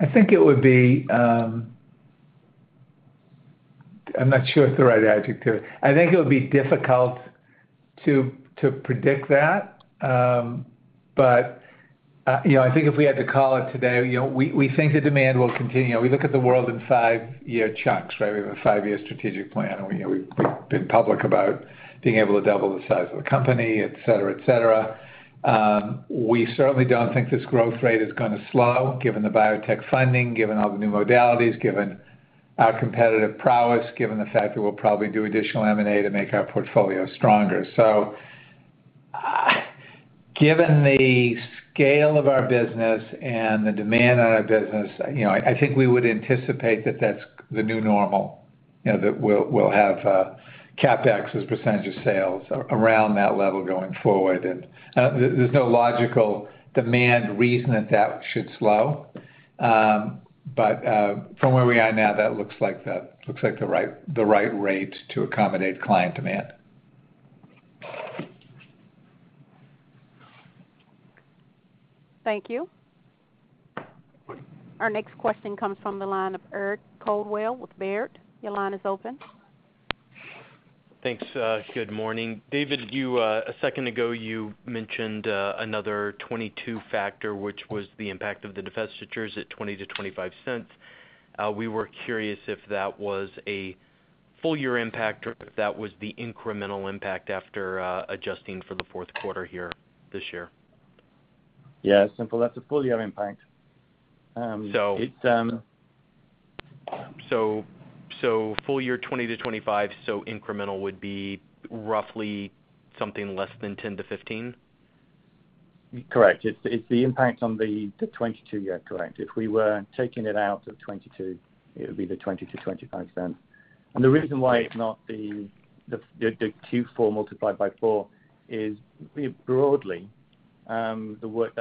I think it would be. I'm not sure it's the right adjective. I think it would be difficult to predict that. But you know, I think if we had to call it today, you know, we think the demand will continue. We look at the world in five-year chunks, right? We have a five-year strategic plan, and we've been public about being able to double the size of the company, et cetera, et cetera. We certainly don't think this growth rate is gonna slow, given the biotech funding, given all the new modalities, given our competitive prowess, given the fact that we'll probably do additional M&A to make our portfolio stronger. Given the scale of our business and the demand on our business, you know, I think we would anticipate that that's the new normal, you know, that we'll have CapEx as a percentage of sales around that level going forward. There's no logical demand reason that that should slow. But from where we are now, that looks like the right rate to accommodate client demand. Thank you. Our next question comes from the line of Eric Coldwell with Baird, your line is open. Thanks. Good morning. David Smith, a second ago you mentioned another $0.22 factor, which was the impact of the divestitures at $0.20-$0.25. We were curious if that was a full year impact or if that was the incremental impact after adjusting for the fourth quarter here this year. Yeah, simple. That's a full year impact. Full year 2020-2025, incremental would be roughly something less than $10-$15? Correct. It's the impact on the 2022. Yeah, correct. If we were taking it out of 2022, it would be the $0.20-$0.25. The reason why it's not the Q4 multiplied by four is broadly the work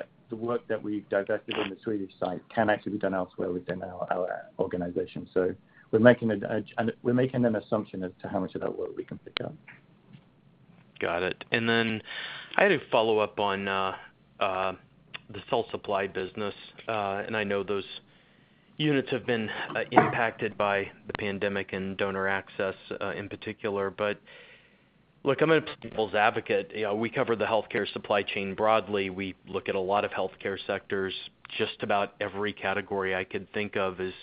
that we've divested on the Swedish site can actually be done elsewhere within our organization. We're making an assumption as to how much of that work we can pick up. Got it. Then I had a follow-up on the cell supply business. I know those units have been impacted by the pandemic and donor access in particular, but look, I'm a people's advocate. You know, we cover the healthcare supply chain broadly. We look at a lot of healthcare sectors. Just about every category I could think of is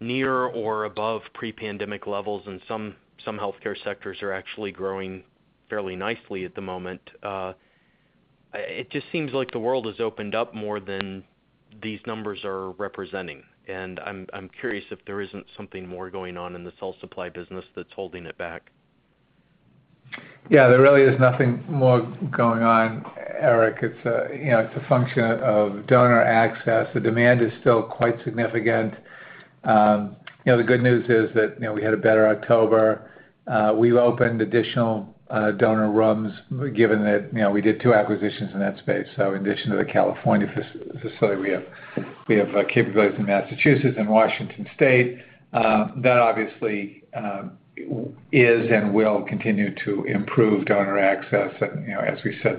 near or above pre-pandemic levels, and some healthcare sectors are actually growing fairly nicely at the moment. It just seems like the world has opened up more than these numbers are representing, and I'm curious if there isn't something more going on in the cell supply business that's holding it back. Yeah, there really is nothing more going on, Eric. It's, you know, a function of donor access. The demand is still quite significant. You know, the good news is that, you know, we had a better October. We've opened additional donor rooms, given that, you know, we did two acquisitions in that space. So in addition to the California facility, we have capabilities in Massachusetts and Washington state. That obviously is and will continue to improve donor access. You know, as we said,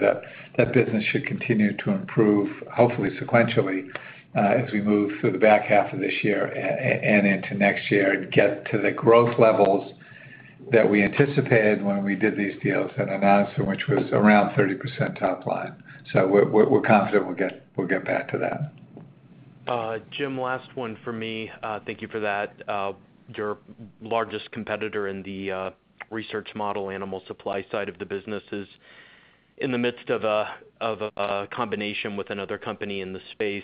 that business should continue to improve, hopefully sequentially, as we move through the back half of this year and into next year and get to the growth levels that we anticipated when we did these deals and announced them, which was around 30% top line. We're confident we'll get back to that. Jim, last one for me. Thank you for that. Your largest competitor in the research model, animal supply side of the business is in the midst of a combination with another company in the space.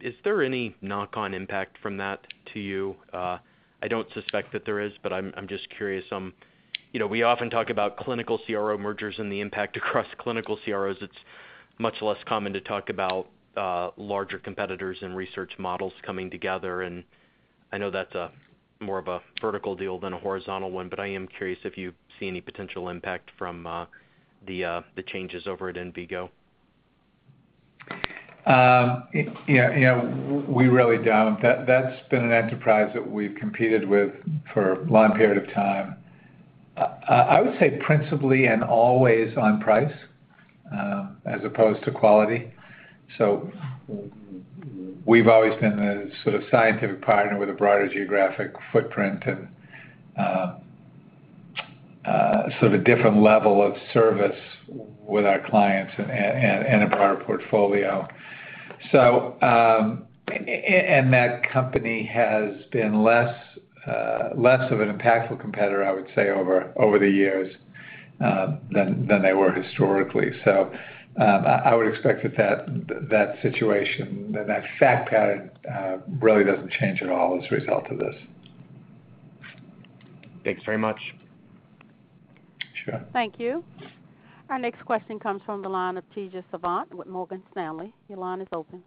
Is there any knock-on impact from that to you? I don't suspect that there is, but I'm just curious. You know, we often talk about clinical CRO mergers and the impact across clinical CROs. It's much less common to talk about larger competitors and research models coming together. I know that's more of a vertical deal than a horizontal one, but I am curious if you see any potential impact from the changes over at Envigo. Yeah, you know, we really don't. That's been an enterprise that we've competed with for a long period of time. I would say principally and always on price, as opposed to quality. We've always been the sort of scientific partner with a broader geographic footprint and, sort of a different level of service with our clients and in our portfolio. That company has been less of an impactful competitor, I would say, over the years, than they were historically. I would expect that situation and that fact pattern really doesn't change at all as a result of this. Thanks very much. Sure. Thank you. Our next question comes from the line of Tejas Savant with Morgan Stanley, your line is open.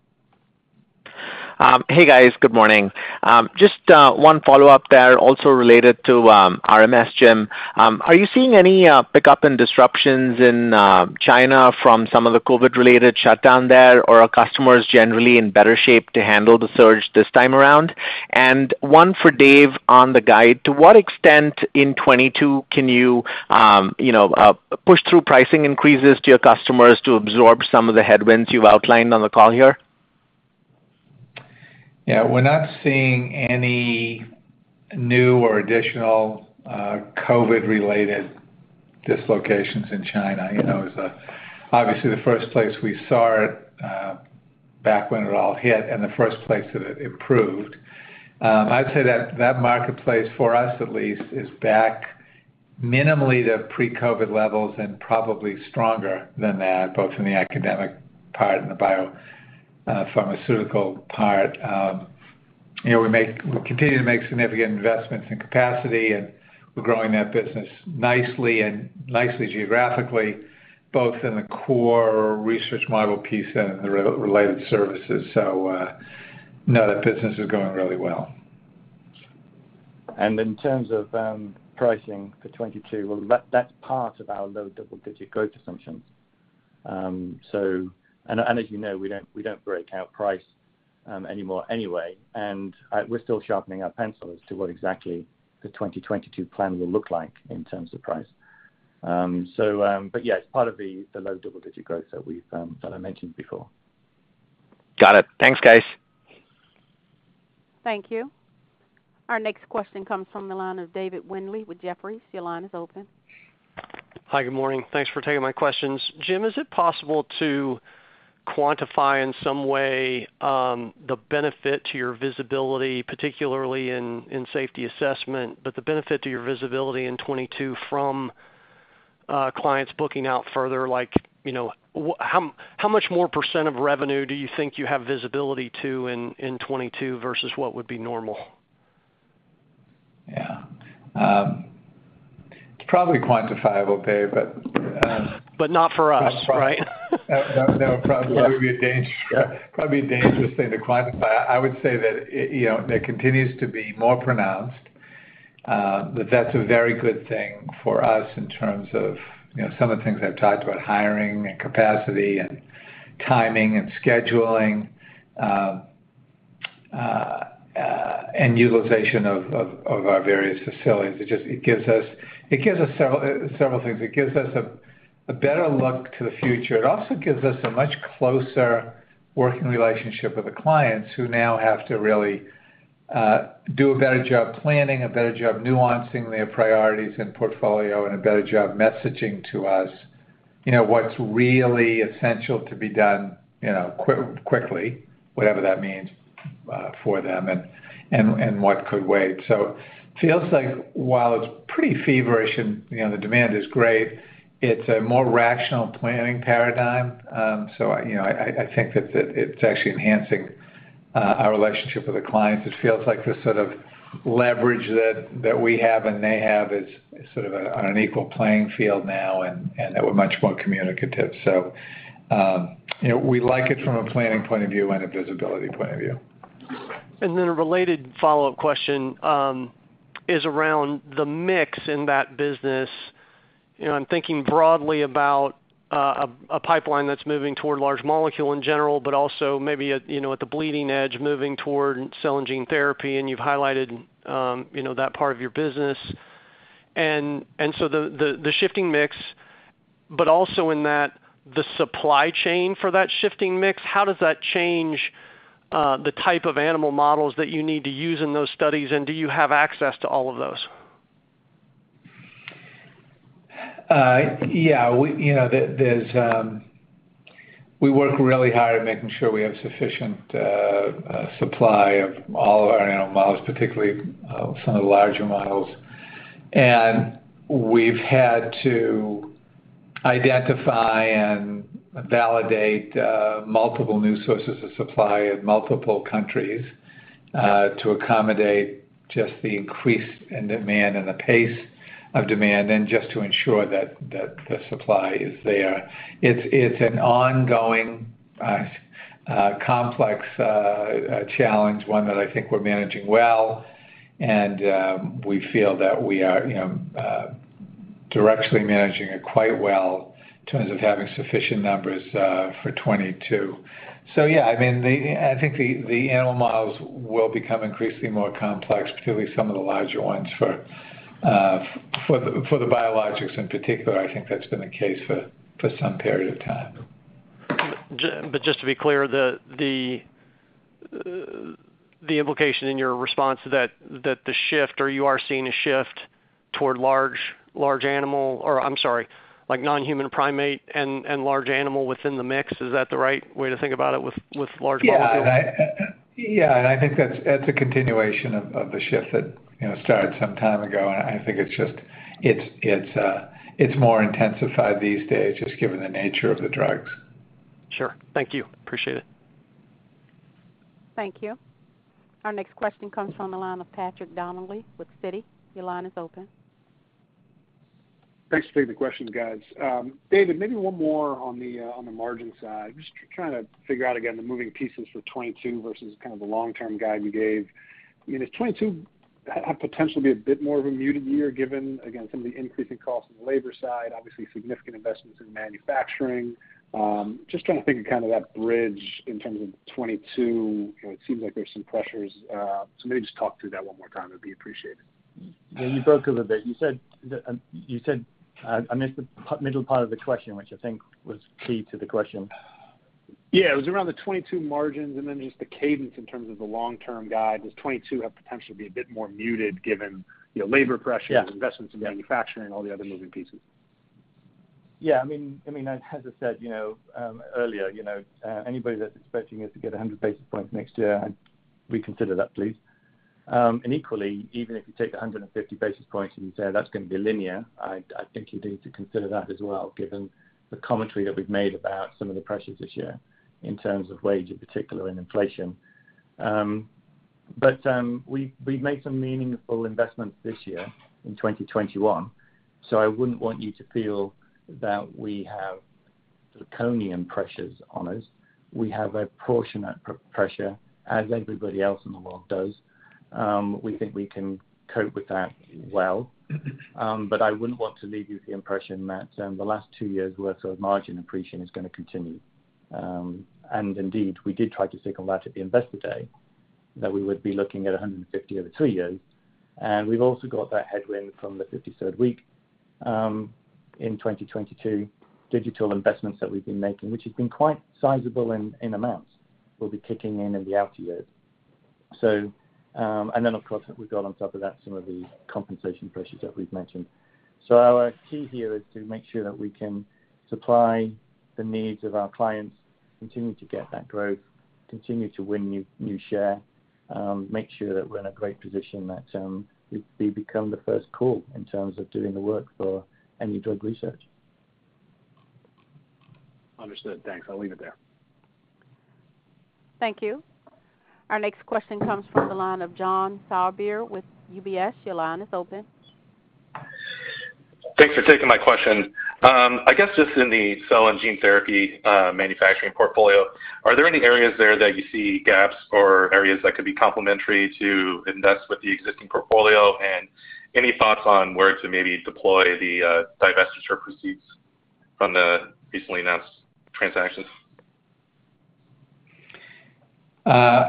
Hey guys, good morning. Just one follow-up there also related to RMS, Jim. Are you seeing any pickup in disruptions in China from some of the COVID-related shutdown there, or are customers generally in better shape to handle the surge this time around? One for Dave on the guide. To what extent in 2022 can you know, push through pricing increases to your customers to absorb some of the headwinds you've outlined on the call here? Yeah, we're not seeing any new or additional COVID-related dislocations in China. You know, it's obviously the first place we saw it back when it all hit, and the first place that it improved. I'd say that marketplace, for us at least, is back minimally to pre-COVID levels and probably stronger than that, both in the academic part and the biopharmaceutical part. You know, we're continuing to make significant investments in capacity, and we're growing that business nicely geographically, both in the core research model piece and in the research-related services. No, that business is going really well. In terms of pricing for 2022, well, that's part of our low double-digit growth assumptions. As you know, we don't break out price anymore anyway, and we're still sharpening our pencil as to what exactly the 2022 plan will look like in terms of price. Yeah, it's part of the low double-digit growth that I mentioned before. Got it. Thanks, guys. Thank you. Our next question comes from the line of David Windley with Jefferies, your line is open. Hi, good morning. Thanks for taking my questions. Jim Foster, is it possible to quantify in some way the benefit to your visibility, particularly in safety assessment, but the benefit to your visibility in 2022 from clients booking out further? Like, you know, how much more % of revenue do you think you have visibility to in 2022 versus what would be normal? Yeah. It's probably quantifiable, David, but, Not for us, right? No, probably would be a dangerous thing to quantify. I would say that, you know, it continues to be more pronounced, but that's a very good thing for us in terms of, you know, some of the things I've talked about, hiring and capacity and timing and scheduling, and utilization of our various facilities. It just gives us several things. It gives us a better look to the future. It also gives us a much closer working relationship with the clients who now have to really do a better job planning, a better job nuancing their priorities and portfolio, and a better job messaging to us, you know, what's really essential to be done, you know, quickly, whatever that means for them, and what could wait. Feels like while it's pretty feverish and, you know, the demand is great, it's a more rational planning paradigm. You know, I think that it's actually enhancing our relationship with the clients. It feels like the sort of leverage that we have and they have is sort of on an equal playing field now, and that we're much more communicative. You know, we like it from a planning point of view and a visibility point of view. Then a related follow-up question is around the mix in that business. You know, I'm thinking broadly about a pipeline that's moving toward large molecule in general, but also maybe at you know at the bleeding edge, moving toward cell and gene therapy, and you've highlighted you know that part of your business. The shifting mix, but also in that, the supply chain for that shifting mix, how does that change the type of animal models that you need to use in those studies, and do you have access to all of those? Yeah. We work really hard at making sure we have sufficient supply of all of our animal models, particularly some of the larger models. We've had to identify and validate multiple new sources of supply in multiple countries to accommodate just the increased demand and the pace of demand and just to ensure that the supply is there. It's an ongoing complex challenge, one that I think we're managing well, and we feel that we are directly managing it quite well in terms of having sufficient numbers for 2022. Yeah, I mean, I think the animal models will become increasingly more complex, particularly some of the larger ones for the biologics in particular. I think that's been the case for some period of time. Just to be clear, the implication in your response is that the shift or you are seeing a shift toward large animal, or I'm sorry, like non-human primate and large animal within the mix, is that the right way to think about it with large molecule? Yeah, I think that's a continuation of the shift that, you know, started some time ago. I think it's just more intensified these days just given the nature of the drugs. Sure. Thank you. Appreciate it. Thank you. Our next question comes from the line of Patrick Donnelly with Citi, your line is open. Thanks for taking the questions, guys. David, maybe one more on the margin side. Just trying to figure out again the moving pieces for 2022 versus kind of the long-term guide you gave. I mean, is 2022 have potential to be a bit more of a muted year given, again, some of the increasing costs on the labor side, obviously significant investments in manufacturing? Just trying to think of kind of that bridge in terms of 2022. You know, it seems like there's some pressures. Maybe just talk through that one more time, it'd be appreciated. Yeah, you broke a little bit. You said, I missed the middle part of the question, which I think was key to the question. Yeah, it was around the 22% margins and then just the cadence in terms of the long-term guide. Does 2022 have potential to be a bit more muted given, you know, labor pressures? Yeah. Investments in manufacturing, all the other moving pieces? Yeah, I mean, as I said, you know, earlier, you know, anybody that's expecting us to get 100 basis points next year, reconsider that, please. Equally, even if you take the 150 basis points and you say that's gonna be linear, I think you need to consider that as well, given the commentary that we've made about some of the pressures this year in terms of wage, in particular, and inflation. We've made some meaningful investments this year in 2021, so I wouldn't want you to feel that we have sort of undue pressures on us. We have a proportionate pressure, as everybody else in the world does. We think we can cope with that well. I wouldn't want to leave you with the impression that the last two years' worth of margin appreciation is gonna continue. Indeed, we did try to signal that at the Investor Day, that we would be looking at 150 over two years. We've also got that headwind from the 53rd week in 2022. Digital investments that we've been making, which have been quite sizable in amounts, will be kicking in in the out years. Of course, we've got on top of that some of the compensation pressures that we've mentioned. Our key here is to make sure that we can supply the needs of our clients, continue to get that growth, continue to win new share, make sure that we're in a great position that, we become the first call in terms of doing the work for any drug research. Understood. Thanks. I'll leave it there. Thank you. Our next question comes from the line of John Sourbeer with UBS, your line is open. Thanks for taking my question. I guess just in the cell and gene therapy manufacturing portfolio, are there any areas there that you see gaps or areas that could be complementary to invest with the existing portfolio? Any thoughts on where to maybe deploy the divestiture proceeds from the recently announced transactions?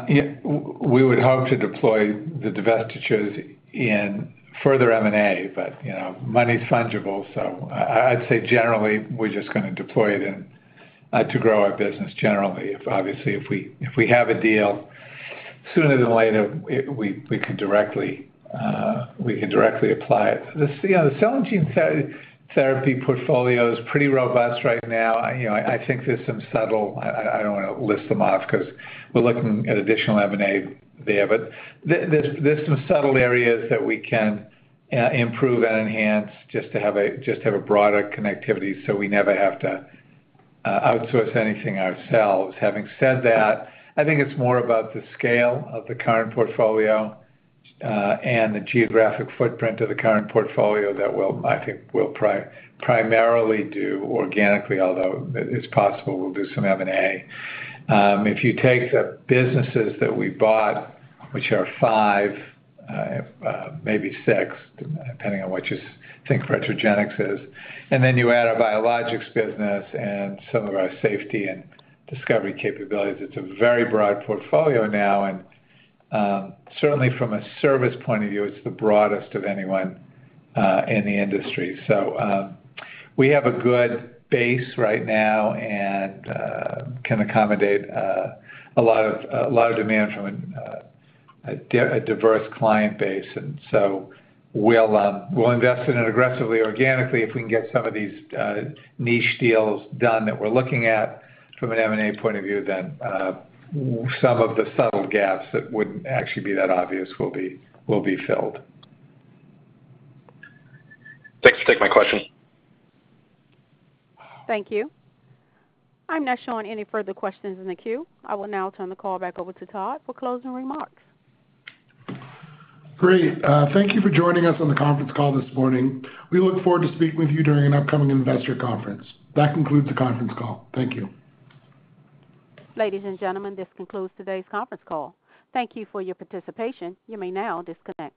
We would hope to deploy the divestitures in further M&A, but, you know, money's fungible, so I'd say generally we're just gonna deploy it in, to grow our business generally. If, obviously, if we have a deal, sooner than later, we could directly apply it. You know, the cell and gene therapy portfolio is pretty robust right now. You know, I don't wanna list them off 'cause we're looking at additional M&A there, but there's some subtle areas that we can improve and enhance just to have a broader connectivity, so we never have to outsource anything ourselves. Having said that, I think it's more about the scale of the current portfolio and the geographic footprint of the current portfolio that we'll, I think, we'll primarily do organically, although it is possible we'll do some M&A. If you take the businesses that we bought, which are five, maybe six, depending on what you think Retrogenix is, and then you add our biologics business and some of our safety and discovery capabilities, it's a very broad portfolio now and certainly from a service point of view, it's the broadest of anyone in the industry. We have a good base right now and can accommodate a lot of demand from a diverse client base. We'll invest in it aggressively organically. If we can get some of these niche deals done that we're looking at from an M&A point of view, then some of the subtle gaps that wouldn't actually be that obvious will be filled. Thanks for taking my question. Thank you. I'm not showing any further questions in the queue. I will now turn the call back over to Todd for closing remarks. Great. Thank you for joining us on the conference call this morning. We look forward to speaking with you during an upcoming investor conference. That concludes the conference call. Thank you. Ladies and gentlemen, this concludes today's conference call. Thank you for your participation, you may now disconnect.